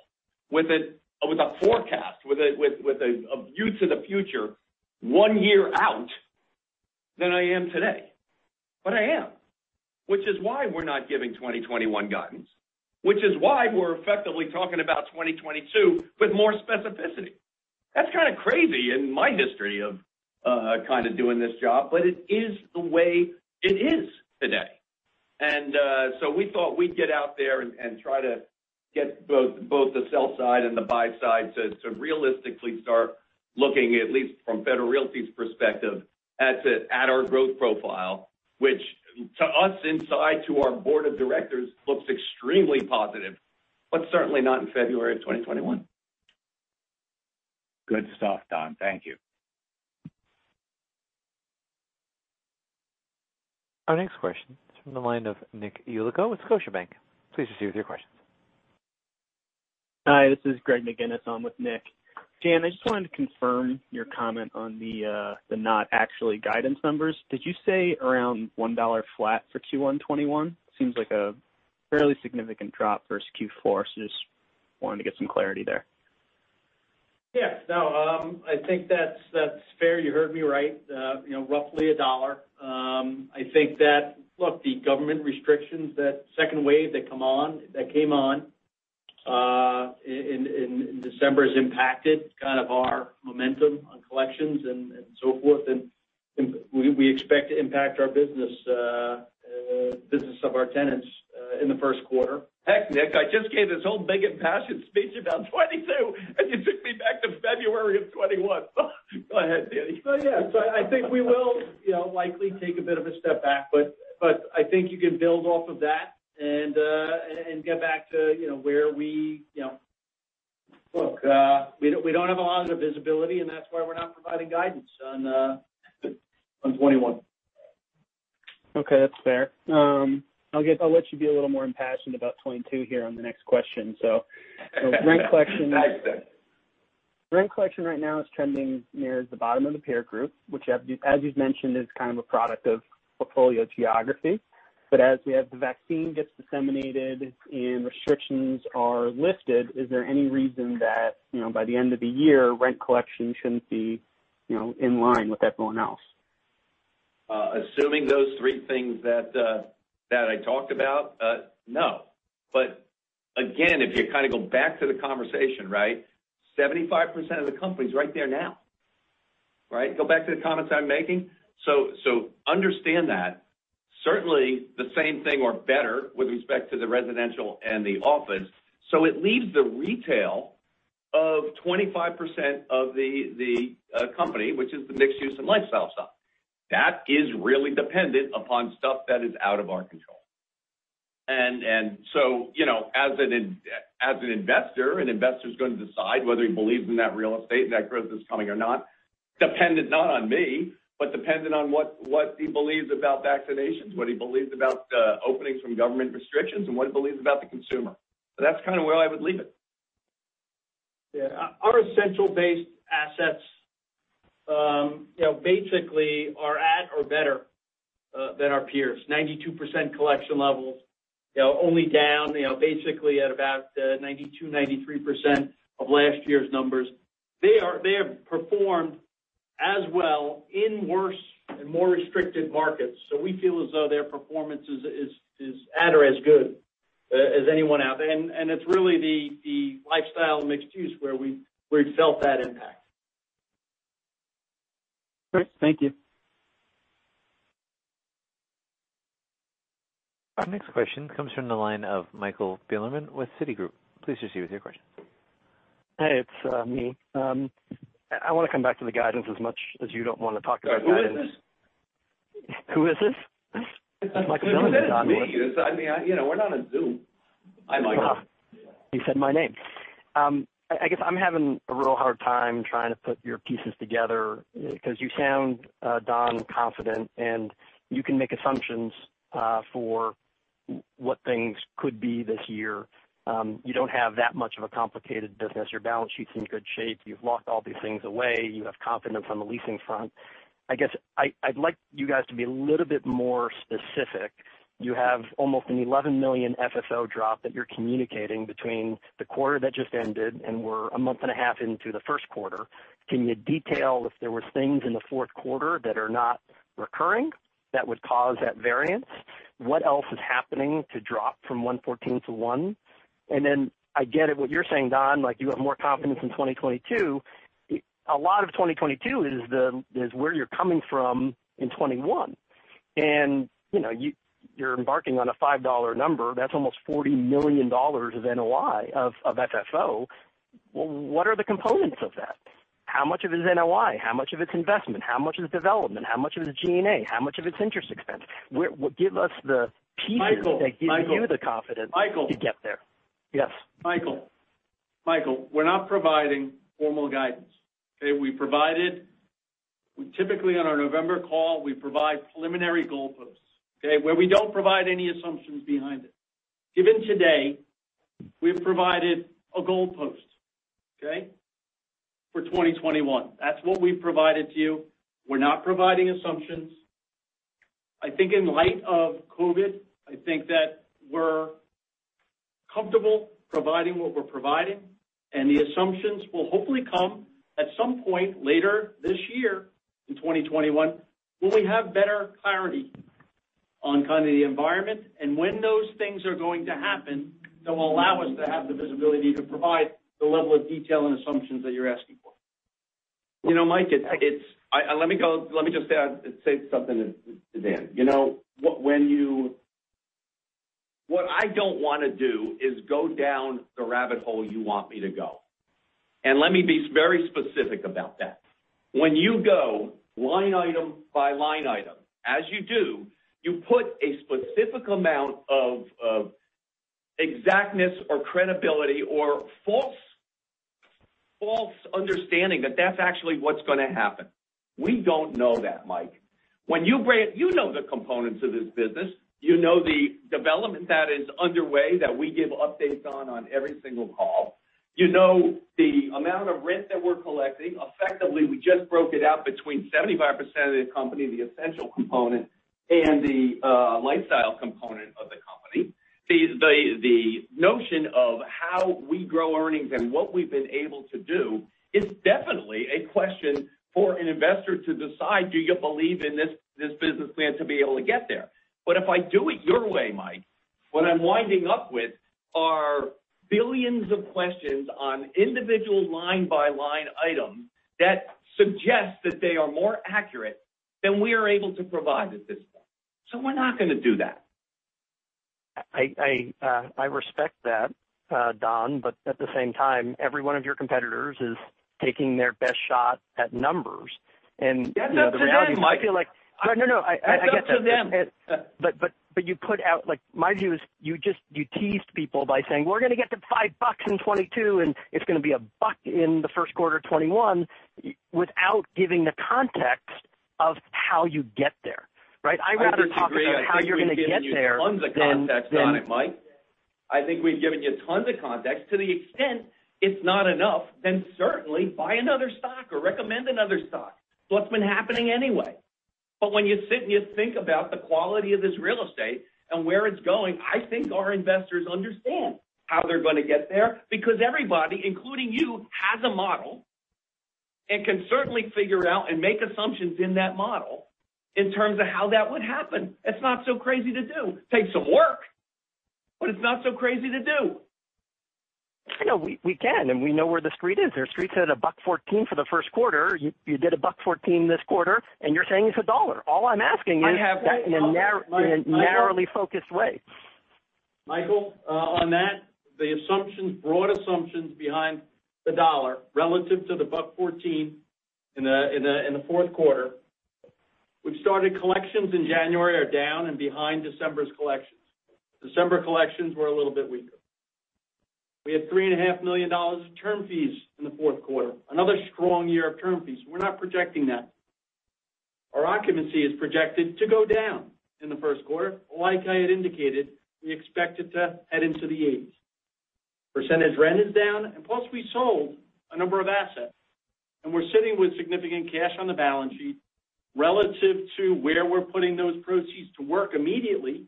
with a forecast, with a view to the future one year out than I am today. I am, which is why we're not giving 2021 guidance, which is why we're effectively talking about 2022 with more specificity. That's kind of crazy in my history of doing this job, but it is the way it is today. We thought we'd get out there and try to get both the sell side and the buy side to realistically start looking, at least from Federal Realty's perspective, at our growth profile, which to us inside, to our board of directors, looks extremely positive, but certainly not in February of 2021. Good stuff, Don. Thank you. Our next question is from the line of Nick Yulico with Scotiabank. Please proceed with your questions. Hi, this is Greg McGinniss. I'm with Nick. Dan, I just wanted to confirm your comment on the not actually guidance numbers. Did you say around $1 flat for Q1 2021? Seems like a fairly significant drop versus Q4, so just wanted to get some clarity there. Yeah. No, I think that's fair. You heard me right, roughly a dollar. I think that, look, the government restrictions, that second wave that came on in December has impacted kind of our momentum on collections and so forth, we expect to impact our business of our tenants in the first quarter. Heck, Nick, I just gave this whole big impassioned speech about 2022, and you took me back to February of 2021. Go ahead, Danny. Yeah. I think we will likely take a bit of a step back, but I think you can build off of that and get back to where we. Look, we don't have a lot of visibility, and that's why we're not providing guidance on 2021. Okay. That's fair. I'll let you be a little more impassioned about 2022 here on the next question. I accept. Rent collection right now is trending near the bottom of the peer group, which as you've mentioned, is kind of a product of portfolio geography. As we have the vaccine gets disseminated and restrictions are lifted, is there any reason that by the end of the year, rent collection shouldn't be in line with everyone else? Assuming those three things that I talked about, no. Again, if you kind of go back to the conversation, 75% of the company's right there now. Go back to the comments I'm making. Understand that certainly the same thing or better with respect to the residential and the office. It leaves the retail of 25% of the company, which is the mixed use and lifestyle stuff. That is really dependent upon stuff that is out of our control. As an investor, an investor's going to decide whether he believes in that real estate and that growth is coming or not, dependent not on me, but dependent on what he believes about vaccinations, what he believes about openings from government restrictions, and what he believes about the consumer. That's kind of where I would leave it. Yeah. Our essential based assets basically are at or better than our peers. 92% collection levels, only down basically at about 92%-93% of last year's numbers. They have performed as well in worse and more restricted markets. We feel as though their performance is at or as good as anyone out there. It's really the lifestyle mixed use where we've felt that impact. Great. Thank you. Our next question comes from the line of Michael Bilerman with Citigroup. Please proceed with your question. Hey, it's me. I want to come back to the guidance as much as you don't want to talk about guidance. Who is this? It's Michael Bilerman, Don. I mean, we're not on Zoom. Hi, Michael. You said my name. I guess I'm having a real hard time trying to put your pieces together because you sound, Don, confident, and you can make assumptions for what things could be this year. You don't have that much of a complicated business. Your balance sheet's in good shape. You've locked all these things away. You have confidence on the leasing front. I guess I'd like you guys to be a little bit more specific. You have almost an 11 million FFO drop that you're communicating between the quarter that just ended, and we're a month and a half into the first quarter. Can you detail if there were things in the fourth quarter that are not recurring that would cause that variance? What else is happening to drop from $1.14 to $1? I get it what you're saying, Don, like you have more confidence in 2022. A lot of 2022 is where you're coming from in 2021. You're embarking on a $5 number. That's almost $40 million of FFO. What are the components of that? How much of it is NOI? How much of it is investment? How much of it is development? How much of it is G&A? How much of it is interest expense? Give us the pieces. Michael That give you the confidence. Michael to get there. Yes. Michael. We're not providing formal guidance. Okay. Typically, on our November call, we provide preliminary goalposts, okay? Where we don't provide any assumptions behind it. Even today, we've provided a goalpost, okay, for 2021. That's what we've provided to you. We're not providing assumptions. I think in light of COVID, I think that we're comfortable providing what we're providing, and the assumptions will hopefully come at some point later this year, in 2021, when we have better clarity on kind of the environment and when those things are going to happen that will allow us to have the visibility to provide the level of detail and assumptions that you're asking for. You know, Mike, let me just say something to Dan. What I don't want to do is go down the rabbit hole you want me to go. Let me be very specific about that. When you go line item by line item, as you do, you put a specific amount of exactness or credibility or false understanding that that's actually what's going to happen. We don't know that, Mike. You know the components of this business. You know the development that is underway that we give updates on every single call. You know the amount of rent that we're collecting. Effectively, we just broke it out between 75% of the company, the essential component, and the lifestyle component of the company. The notion of how we grow earnings and what we've been able to do is definitely a question for an investor to decide, do you believe in this business plan to be able to get there? If I do it your way, Mike, what I'm winding up with are billions of questions on individual line-by-line items that suggest that they are more accurate than we are able to provide at this point. We're not going to do that. I respect that, Don, but at the same time, every one of your competitors is taking their best shot at numbers. That's up to them, Mike. The reality is, no, I get that. That's up to them. My view is you teased people by saying, "We're going to get to $5 in 2022, and it's going to be a buck in the first quarter of 2021," without giving the context of how you get there. Right? I'd rather talk about. I disagree. How you're going to get there. I think we've given you tons of context on it, Mike. I think we've given you tons of context. To the extent it's not enough, certainly buy another stock or recommend another stock. That's what's been happening anyway. When you sit and you think about the quality of this real estate and where it's going, I think our investors understand how they're going to get there because everybody, including you, has a model and can certainly figure out and make assumptions in that model in terms of how that would happen. It's not so crazy to do. Takes some work, but it's not so crazy to do. I know we can. We know where the street is. The street's at a $1.14 for the first quarter. You did a $1.14 this quarter. You're saying it's a dollar. I have that. in a narrowly focused way. Michael, on that, the broad assumptions behind the dollar relative to the $1.14 in the fourth quarter, we've started collections in January are down and behind December's collections. December collections were a little bit weaker. We had $3.5 million of term fees in the fourth quarter, another strong year of term fees. We're not projecting that. Our occupancy is projected to go down in the first quarter. Like I had indicated, we expect it to head into the 80s. Percentage rent is down, and plus we sold a number of assets, and we're sitting with significant cash on the balance sheet relative to where we're putting those proceeds to work immediately.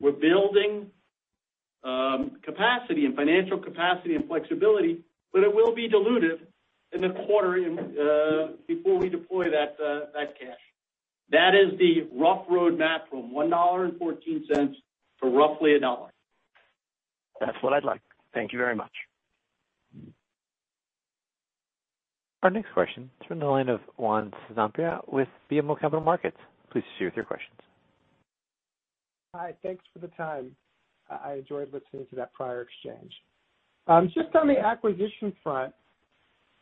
We're building capacity and financial capacity and flexibility, but it will be dilutive in the quarter before we deploy that cash. That is the rough roadmap from $1.14 to roughly a dollar. That's what I'd like. Thank you very much. Our next question is from the line of Juan Sanabria with BMO Capital Markets. Please share with your questions. Hi. Thanks for the time. I enjoyed listening to that prior exchange. Just on the acquisition front,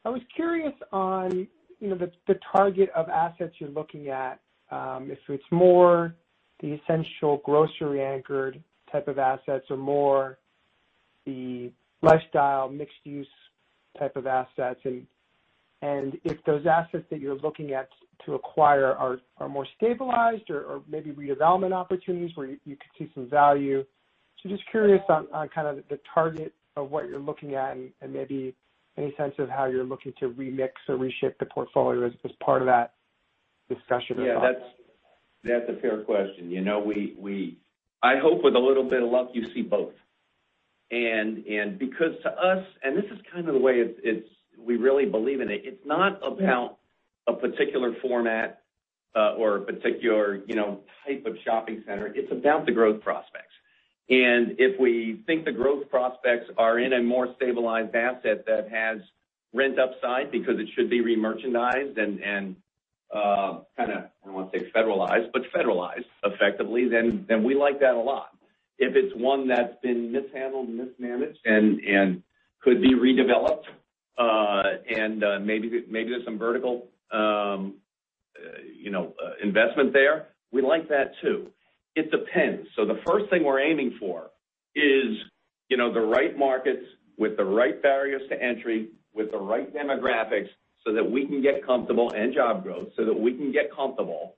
I was curious on the target of assets you're looking at, if it's more the essential grocery-anchored type of assets or more the lifestyle mixed-use type of assets, and if those assets that you're looking at to acquire are more stabilized or maybe redevelopment opportunities where you could see some value. Just curious on kind of the target of what you're looking at and maybe any sense of how you're looking to remix or reshift the portfolio as part of that discussion or thought. Yeah, that's a fair question. I hope with a little bit of luck, you see both. Because to us, and this is kind of the way we really believe in it's not about a particular format or a particular type of shopping center. It's about the growth prospects. If we think the growth prospects are in a more stabilized asset that has rent upside because it should be remerchandised and kind of, I don't want to say federalized, but federalized effectively, then we like that a lot. If it's one that's been mishandled and mismanaged and could be redeveloped, and maybe there's some vertical investment there, we like that too. It depends. The first thing we're aiming for is the right markets with the right barriers to entry, with the right demographics, and job growth, that we can get comfortable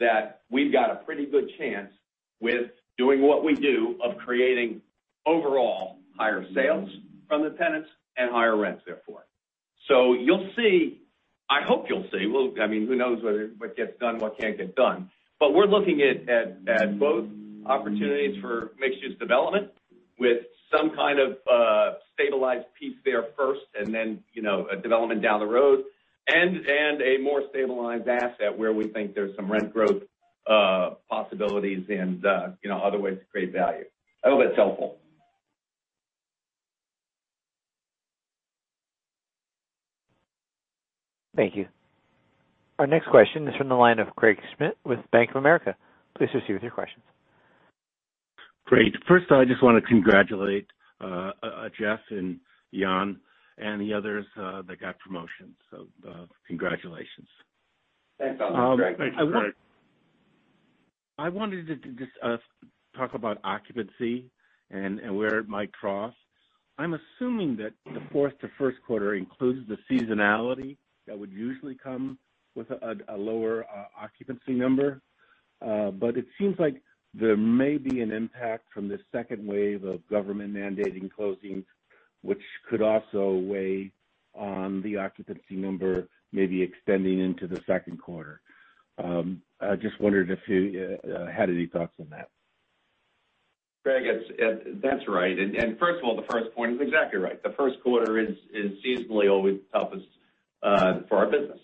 that we've got a pretty good chance with doing what we do of creating overall higher sales from the tenants and higher rents, therefore. You'll see, I hope you'll see, well, who knows what gets done, what can't get done. We're looking at both opportunities for mixed-use development with some kind of a stabilized piece there first, and then a development down the road, and a more stabilized asset where we think there's some rent growth possibilities and other ways to create value. I hope that's helpful. Thank you. Our next question is from the line of Craig Schmidt with Bank of America. Please proceed with your questions. Great. First, I just want to congratulate Jeff and Jan and the others that got promotions. Congratulations. Thanks a lot, Craig. I wanted to just talk about occupancy and where it might cross. I'm assuming that the fourth to first quarter includes the seasonality that would usually come with a lower occupancy number. It seems like there may be an impact from this second wave of government mandating closings, which could also weigh on the occupancy number, maybe extending into the second quarter. I just wondered if you had any thoughts on that. Craig, that's right. First of all, the first point is exactly right. The first quarter is seasonally always toughest for our business.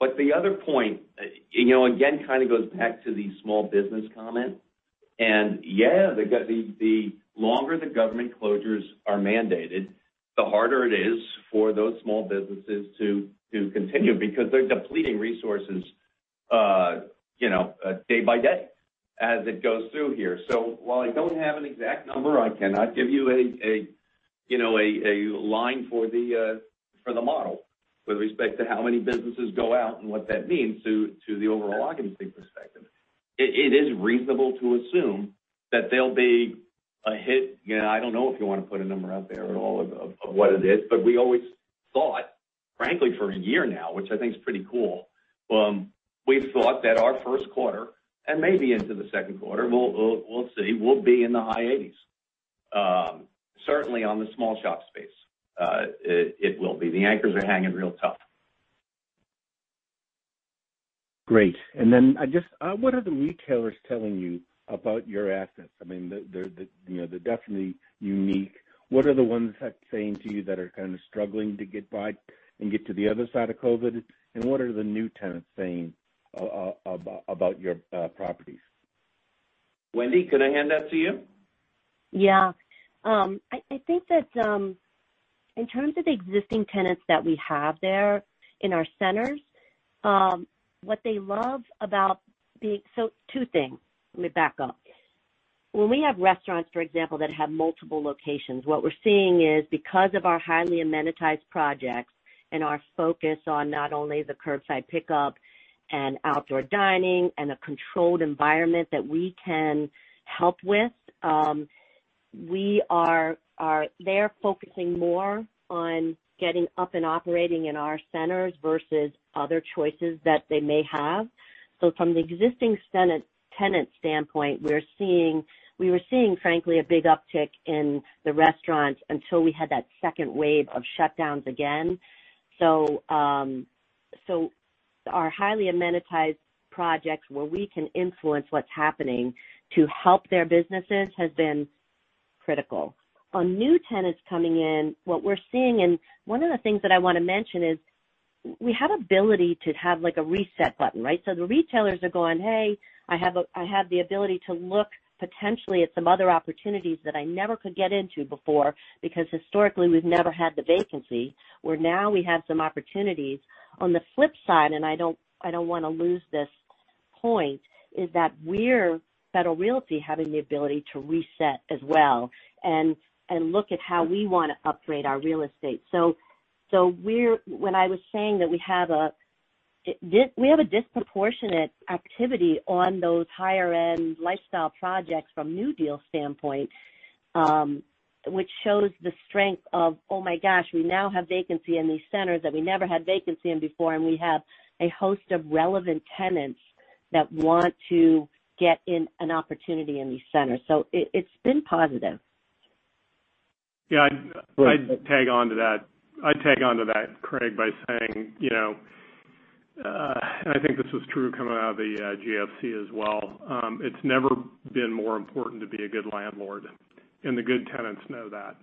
The other point, again, kind of goes back to the small business comment. Yeah, the longer the government closures are mandated, the harder it is for those small businesses to continue because they're depleting resources day by day as it goes through here. While I don't have an exact number, I cannot give you a line for the model with respect to how many businesses go out and what that means to the overall occupancy perspective. It is reasonable to assume that there'll be a hit. I don't know if you want to put a number out there at all of what it is, but we always thought, frankly, for a year now, which I think is pretty cool, we thought that our first quarter, and maybe into the second quarter, we'll see, will be in the high 80s%. Certainly on the small shop space it will be. The anchors are hanging real tough. Great. What are the retailers telling you about your assets? They're definitely unique. What are the ones that saying to you that are kind of struggling to get by and get to the other side of COVID? What are the new tenants saying about your properties? Wendy, could I hand that to you? Yeah. I think that in terms of the existing tenants that we have there in our centers, what they love so two things. Let me back up. When we have restaurants, for example, that have multiple locations, what we're seeing is because of our highly amenitized projects and our focus on not only the curbside pickup and outdoor dining and a controlled environment that we can help with, they're focusing more on getting up and operating in our centers versus other choices that they may have. From the existing tenant standpoint, we were seeing, frankly, a big uptick in the restaurants until we had that second wave of shutdowns again. Our highly amenitized projects where we can influence what's happening to help their businesses has been critical. On new tenants coming in, what we're seeing, one of the things that I want to mention is we have ability to have a reset button, right? The retailers are going, hey, I have the ability to look potentially at some other opportunities that I never could get into before, because historically, we've never had the vacancy, where now we have some opportunities. On the flip side, I don't want to lose this point is that we're Federal Realty, having the ability to reset as well and look at how we want to upgrade our real estate. When I was saying that we have a disproportionate activity on those higher-end lifestyle projects from new deal standpoint, which shows the strength of, oh my gosh, we now have vacancy in these centers that we never had vacancy in before, and we have a host of relevant tenants that want to get in an opportunity in these centers. It's been positive. Yeah. I'd tag onto that, Craig, by saying, I think this was true coming out of the GFC as well, it's never been more important to be a good landlord, the good tenants know that.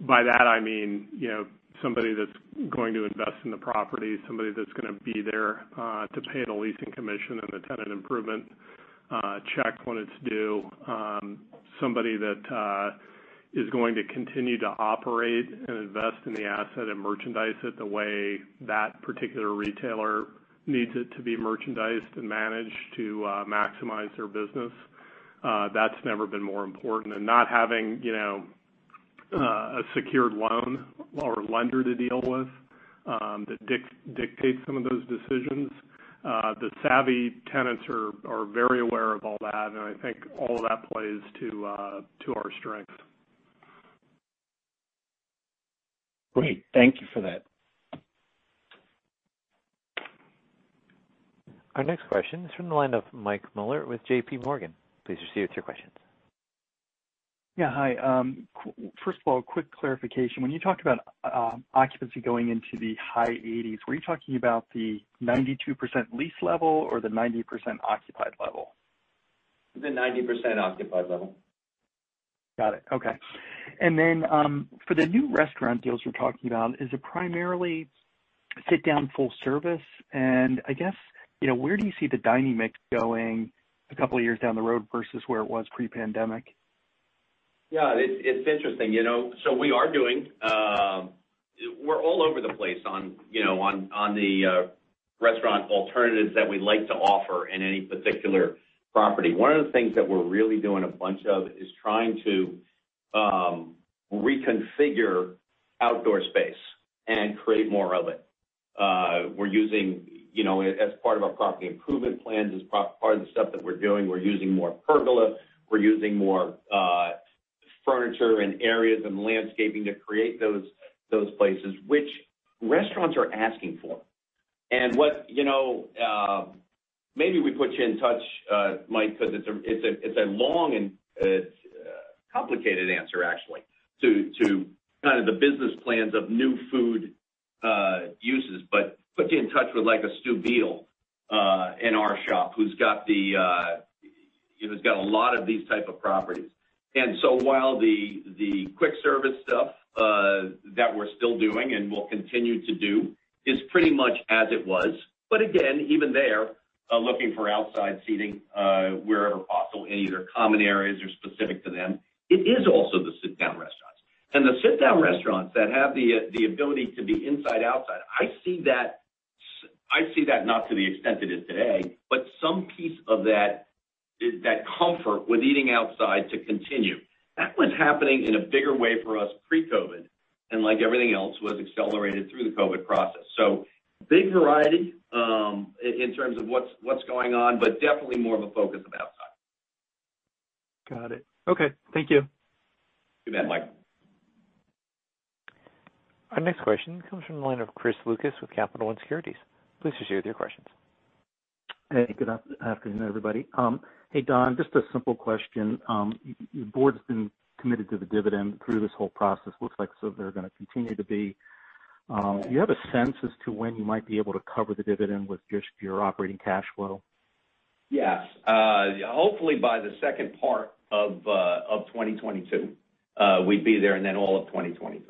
By that I mean somebody that's going to invest in the property, somebody that's going to be there, to pay the leasing commission and the tenant improvement check when it's due. Somebody that is going to continue to operate and invest in the asset and merchandise it the way that particular retailer needs it to be merchandised and managed to maximize their business. That's never been more important. Not having a secured loan or lender to deal with, that dictates some of those decisions. The savvy tenants are very aware of all that, I think all of that plays to our strength. Great, thank you for that. Our next question is from the line of Mike Mueller with JPMorgan. Please proceed with your questions. Yeah. Hi. First of all, quick clarification. When you talked about occupancy going into the high 80s, were you talking about the 92% lease level or the 90% occupied level? The 90% occupied level. Got it. Okay. For the new restaurant deals you're talking about, is it primarily sit-down full service? I guess, where do you see the dining mix going a couple of years down the road versus where it was pre-pandemic? Yeah, it's interesting. We're all over the place on the restaurant alternatives that we like to offer in any particular property. One of the things that we're really doing a bunch of is trying to reconfigure outdoor space and create more of it. We're using, as part of our property improvement plans, as part of the stuff that we're doing, we're using more pergola, we're using more furniture and areas and landscaping to create those places which restaurants are asking for. Maybe we put you in touch, Mike, because it's a long and complicated answer, actually, to kind of the business plans of new food uses. Put you in touch with like a Stuart Biel, in our shop who's got a lot of these type of properties. While the quick service stuff, that we're still doing and will continue to do is pretty much as it was, but again, even there, looking for outside seating, wherever possible in either common areas or specific to them. It is also the sit-down restaurants. The sit-down restaurants that have the ability to be inside/outside. I see that not to the extent it is today, but some piece of that comfort with eating outside to continue. That was happening in a bigger way for us pre-COVID, and like everything else, was accelerated through the COVID process. Big variety, in terms of what's going on, but definitely more of a focus of outside. Got it, okay. Thank you. You bet, Mike. Our next question comes from the line of Chris Lucas with Capital One Securities. Please proceed with your questions. Hey, good afternoon, everybody. Hey, Don, just a simple question. Your board's been committed to the dividend through this whole process. Looks like so they're going to continue to be. Do you have a sense as to when you might be able to cover the dividend with just your operating cash flow? Yes. Hopefully by the second part of 2022, we'd be there, and then all of 2023.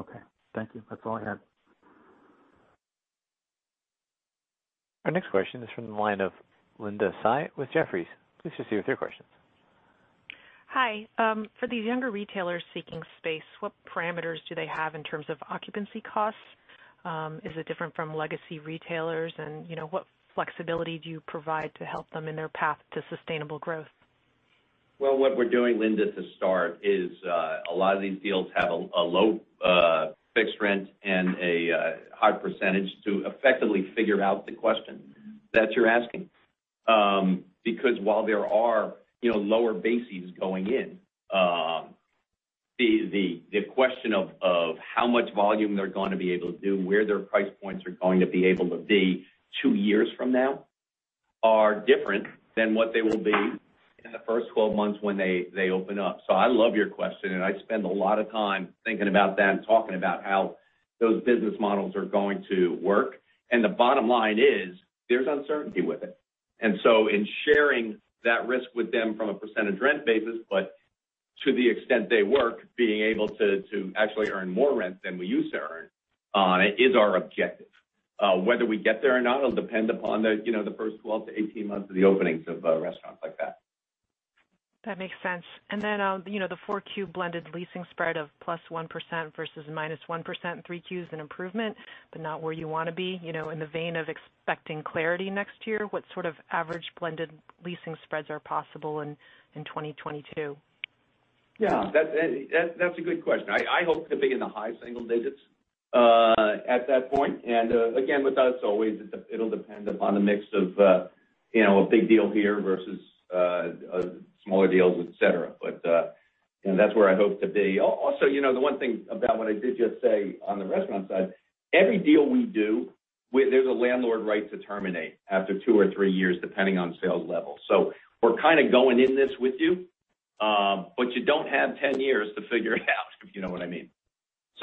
Okay, thank you. That's all I had. Our next question is from the line of Linda Tsai with Jefferies. Please proceed with your questions. Hi. For these younger retailers seeking space, what parameters do they have in terms of occupancy costs? Is it different from legacy retailers? What flexibility do you provide to help them in their path to sustainable growth? Well, what we're doing, Linda, to start, is a lot of these deals have a low fixed rent and a high percentage to effectively figure out the question that you're asking. While there are lower bases going in, the question of how much volume they're going to be able to do and where their price points are going to be able to be two years from now are different than what they will be in the first 12 months when they open up. I love your question, and I spend a lot of time thinking about that and talking about how those business models are going to work. The bottom line is, there's uncertainty with it. In sharing that risk with them from a percentage rent basis, but to the extent they work, being able to actually earn more rent than we used to earn on it is our objective. Whether we get there or not will depend upon the first 12 to 18 months of the openings of restaurants like that. That makes sense. Then the 4Q blended leasing spread of +1% versus -1% in 3Q is an improvement, but not where you want to be. In the vein of expecting clarity next year, what sort of average blended leasing spreads are possible in 2022? Yeah. That's a good question. I hope to be in the high single digits at that point. Again, with us always, it'll depend upon the mix of a big deal here versus smaller deals, et cetera. That's where I hope to be. Also, the one thing about what I did just say on the restaurant side, every deal we do, there's a landlord right to terminate after two or three years, depending on sales level. We're kind of going in this with you, but you don't have 10 years to figure it out, if you know what I mean.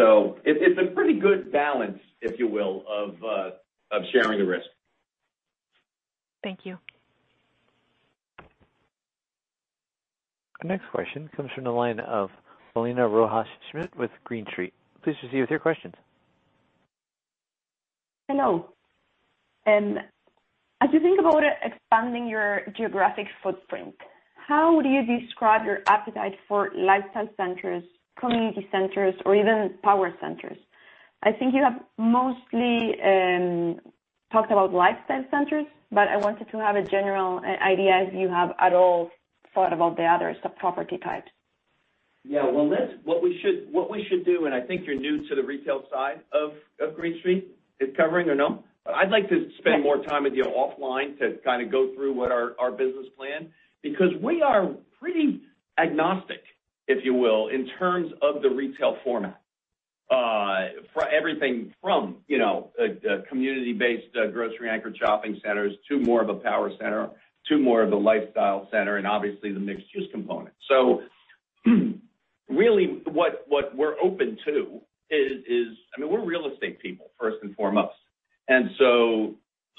It's a pretty good balance, if you will, of sharing the risk. Thank you. Our next question comes from the line of Paulina Rojas Schmidt with Green Street. Please proceed with your questions. Hello. As you think about expanding your geographic footprint, how would you describe your appetite for lifestyle centers, community centers, or even power centers? I think you have mostly talked about lifestyle centers, but I wanted to have a general idea if you have at all thought about the other sub-property types. Yeah. Well, what we should do, I think you're new to the retail side of Green Street is covering or no? I'd like to spend more time with you offline to kind of go through what our business plan, because we are pretty agnostic, if you will, in terms of the retail format. For everything from a community-based grocery anchor shopping centers, to more of a power center, to more of a lifestyle center, and obviously the mixed-use component. Really what we're open to is, we're real estate people first and foremost,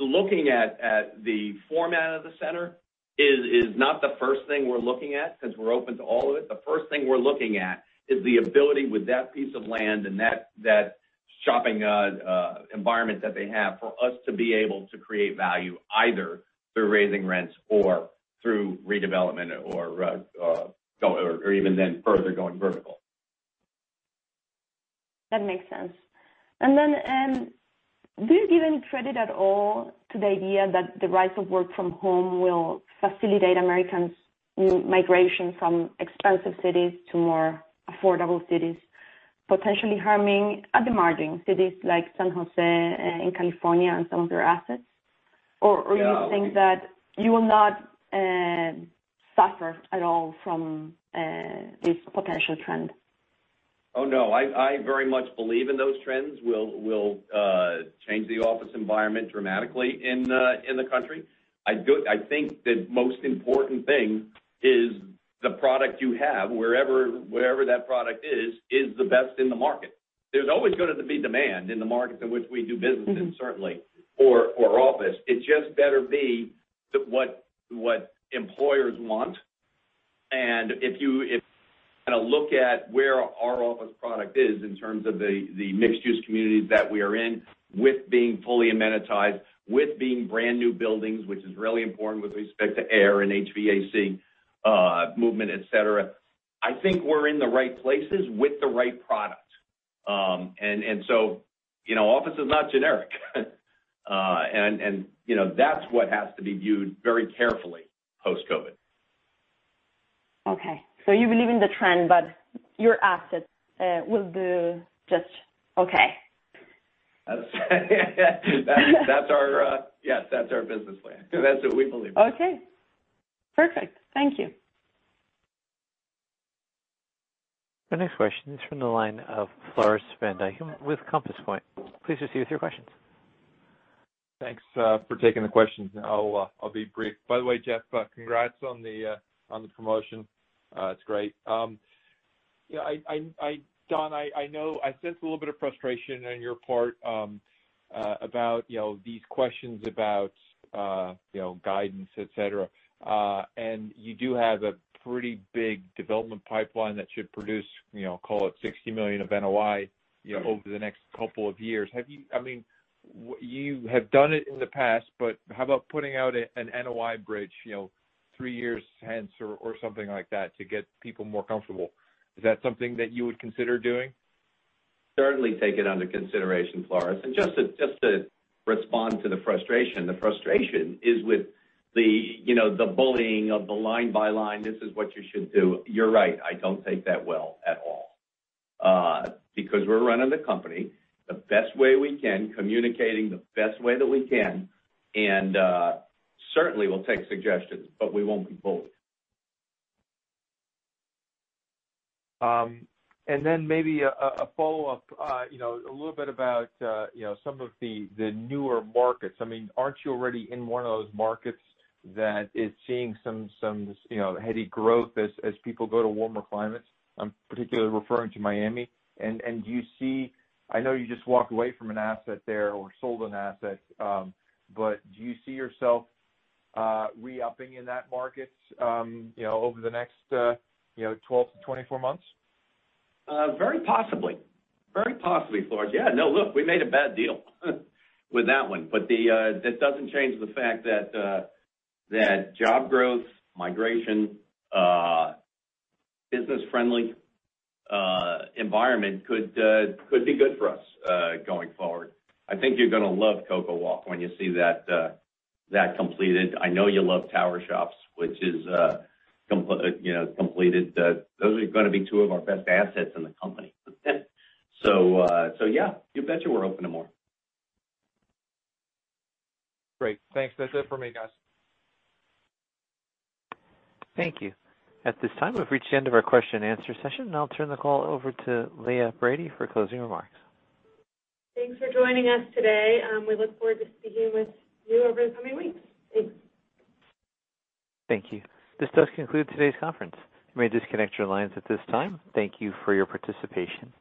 looking at the format of the center is not the first thing we're looking at since we're open to all of it. The first thing we're looking at is the ability with that piece of land and that shopping environment that they have for us to be able to create value either through raising rents or through redevelopment or even then further going vertical. That makes sense. Do you give any credit at all to the idea that the rise of work from home will facilitate Americans' migration from expensive cities to more affordable cities, potentially harming at the margin cities like San Jose in California and some of your assets? You think that you will not suffer at all from this potential trend? Oh, no. I very much believe in those trends will change the office environment dramatically in the country. I think the most important thing is the product you have, wherever that product is the best in the market. There's always going to be demand in the markets in which we do business in, certainly, or office. It just better be what employers want. If you look at where our office product is in terms of the mixed-use communities that we are in with being fully amenitized, with being brand-new buildings, which is really important with respect to air and HVAC movement, et cetera, I think we're in the right places with the right product. Office is not generic. That's what has to be viewed very carefully post-COVID. You believe in the trend, but your assets will do just okay. Yes, that's our business plan. That's what we believe in. Okay, perfect. Thank you. The next question is from the line of Floris van Dijkum with Compass Point. Please proceed with your questions. Thanks for taking the questions. I'll be brief. By the way, Jeff, congrats on the promotion. It's great. Don, I sense a little bit of frustration on your part about these questions about guidance, et cetera. You do have a pretty big development pipeline that should produce, call it $60 million of NOI over the next couple of years. You have done it in the past, how about putting out an NOI bridge three years hence or something like that to get people more comfortable. Is that something that you would consider doing? Certainly take it under consideration, Floris. Just to respond to the frustration, the frustration is with the bullying of the line by line, this is what you should do. You're right, I don't take that well at all. Because we're running the company the best way we can, communicating the best way that we can. Certainly we'll take suggestions, but we won't be bullied. Maybe a follow-up, a little bit about some of the newer markets. Aren't you already in one of those markets that is seeing some heady growth as people go to warmer climates? I'm particularly referring to Miami. I know you just walked away from an asset there or sold an asset, but do you see yourself re-upping in that market over the next 12 to 24 months? Very possibly. Very possibly, Floris. Yeah, no, look, we made a bad deal with that one, but it doesn't change the fact that job growth, migration, business-friendly environment could be good for us going forward. I think you're going to love CocoWalk when you see that completed. I know you love Tower Shops, which is completed. Those are going to be two of our best assets in the company. Yeah, you bet you we're open to more. Great, thanks. That's it for me, guys. Thank you. At this time, we've reached the end of our question and answer session. I'll turn the call over to Leah Brady for closing remarks. Thanks for joining us today, and we look forward to speaking with you over the coming weeks. Thanks. Thank you. This does conclude today's conference, you may disconnect your lines at this time. Thank you for your participation.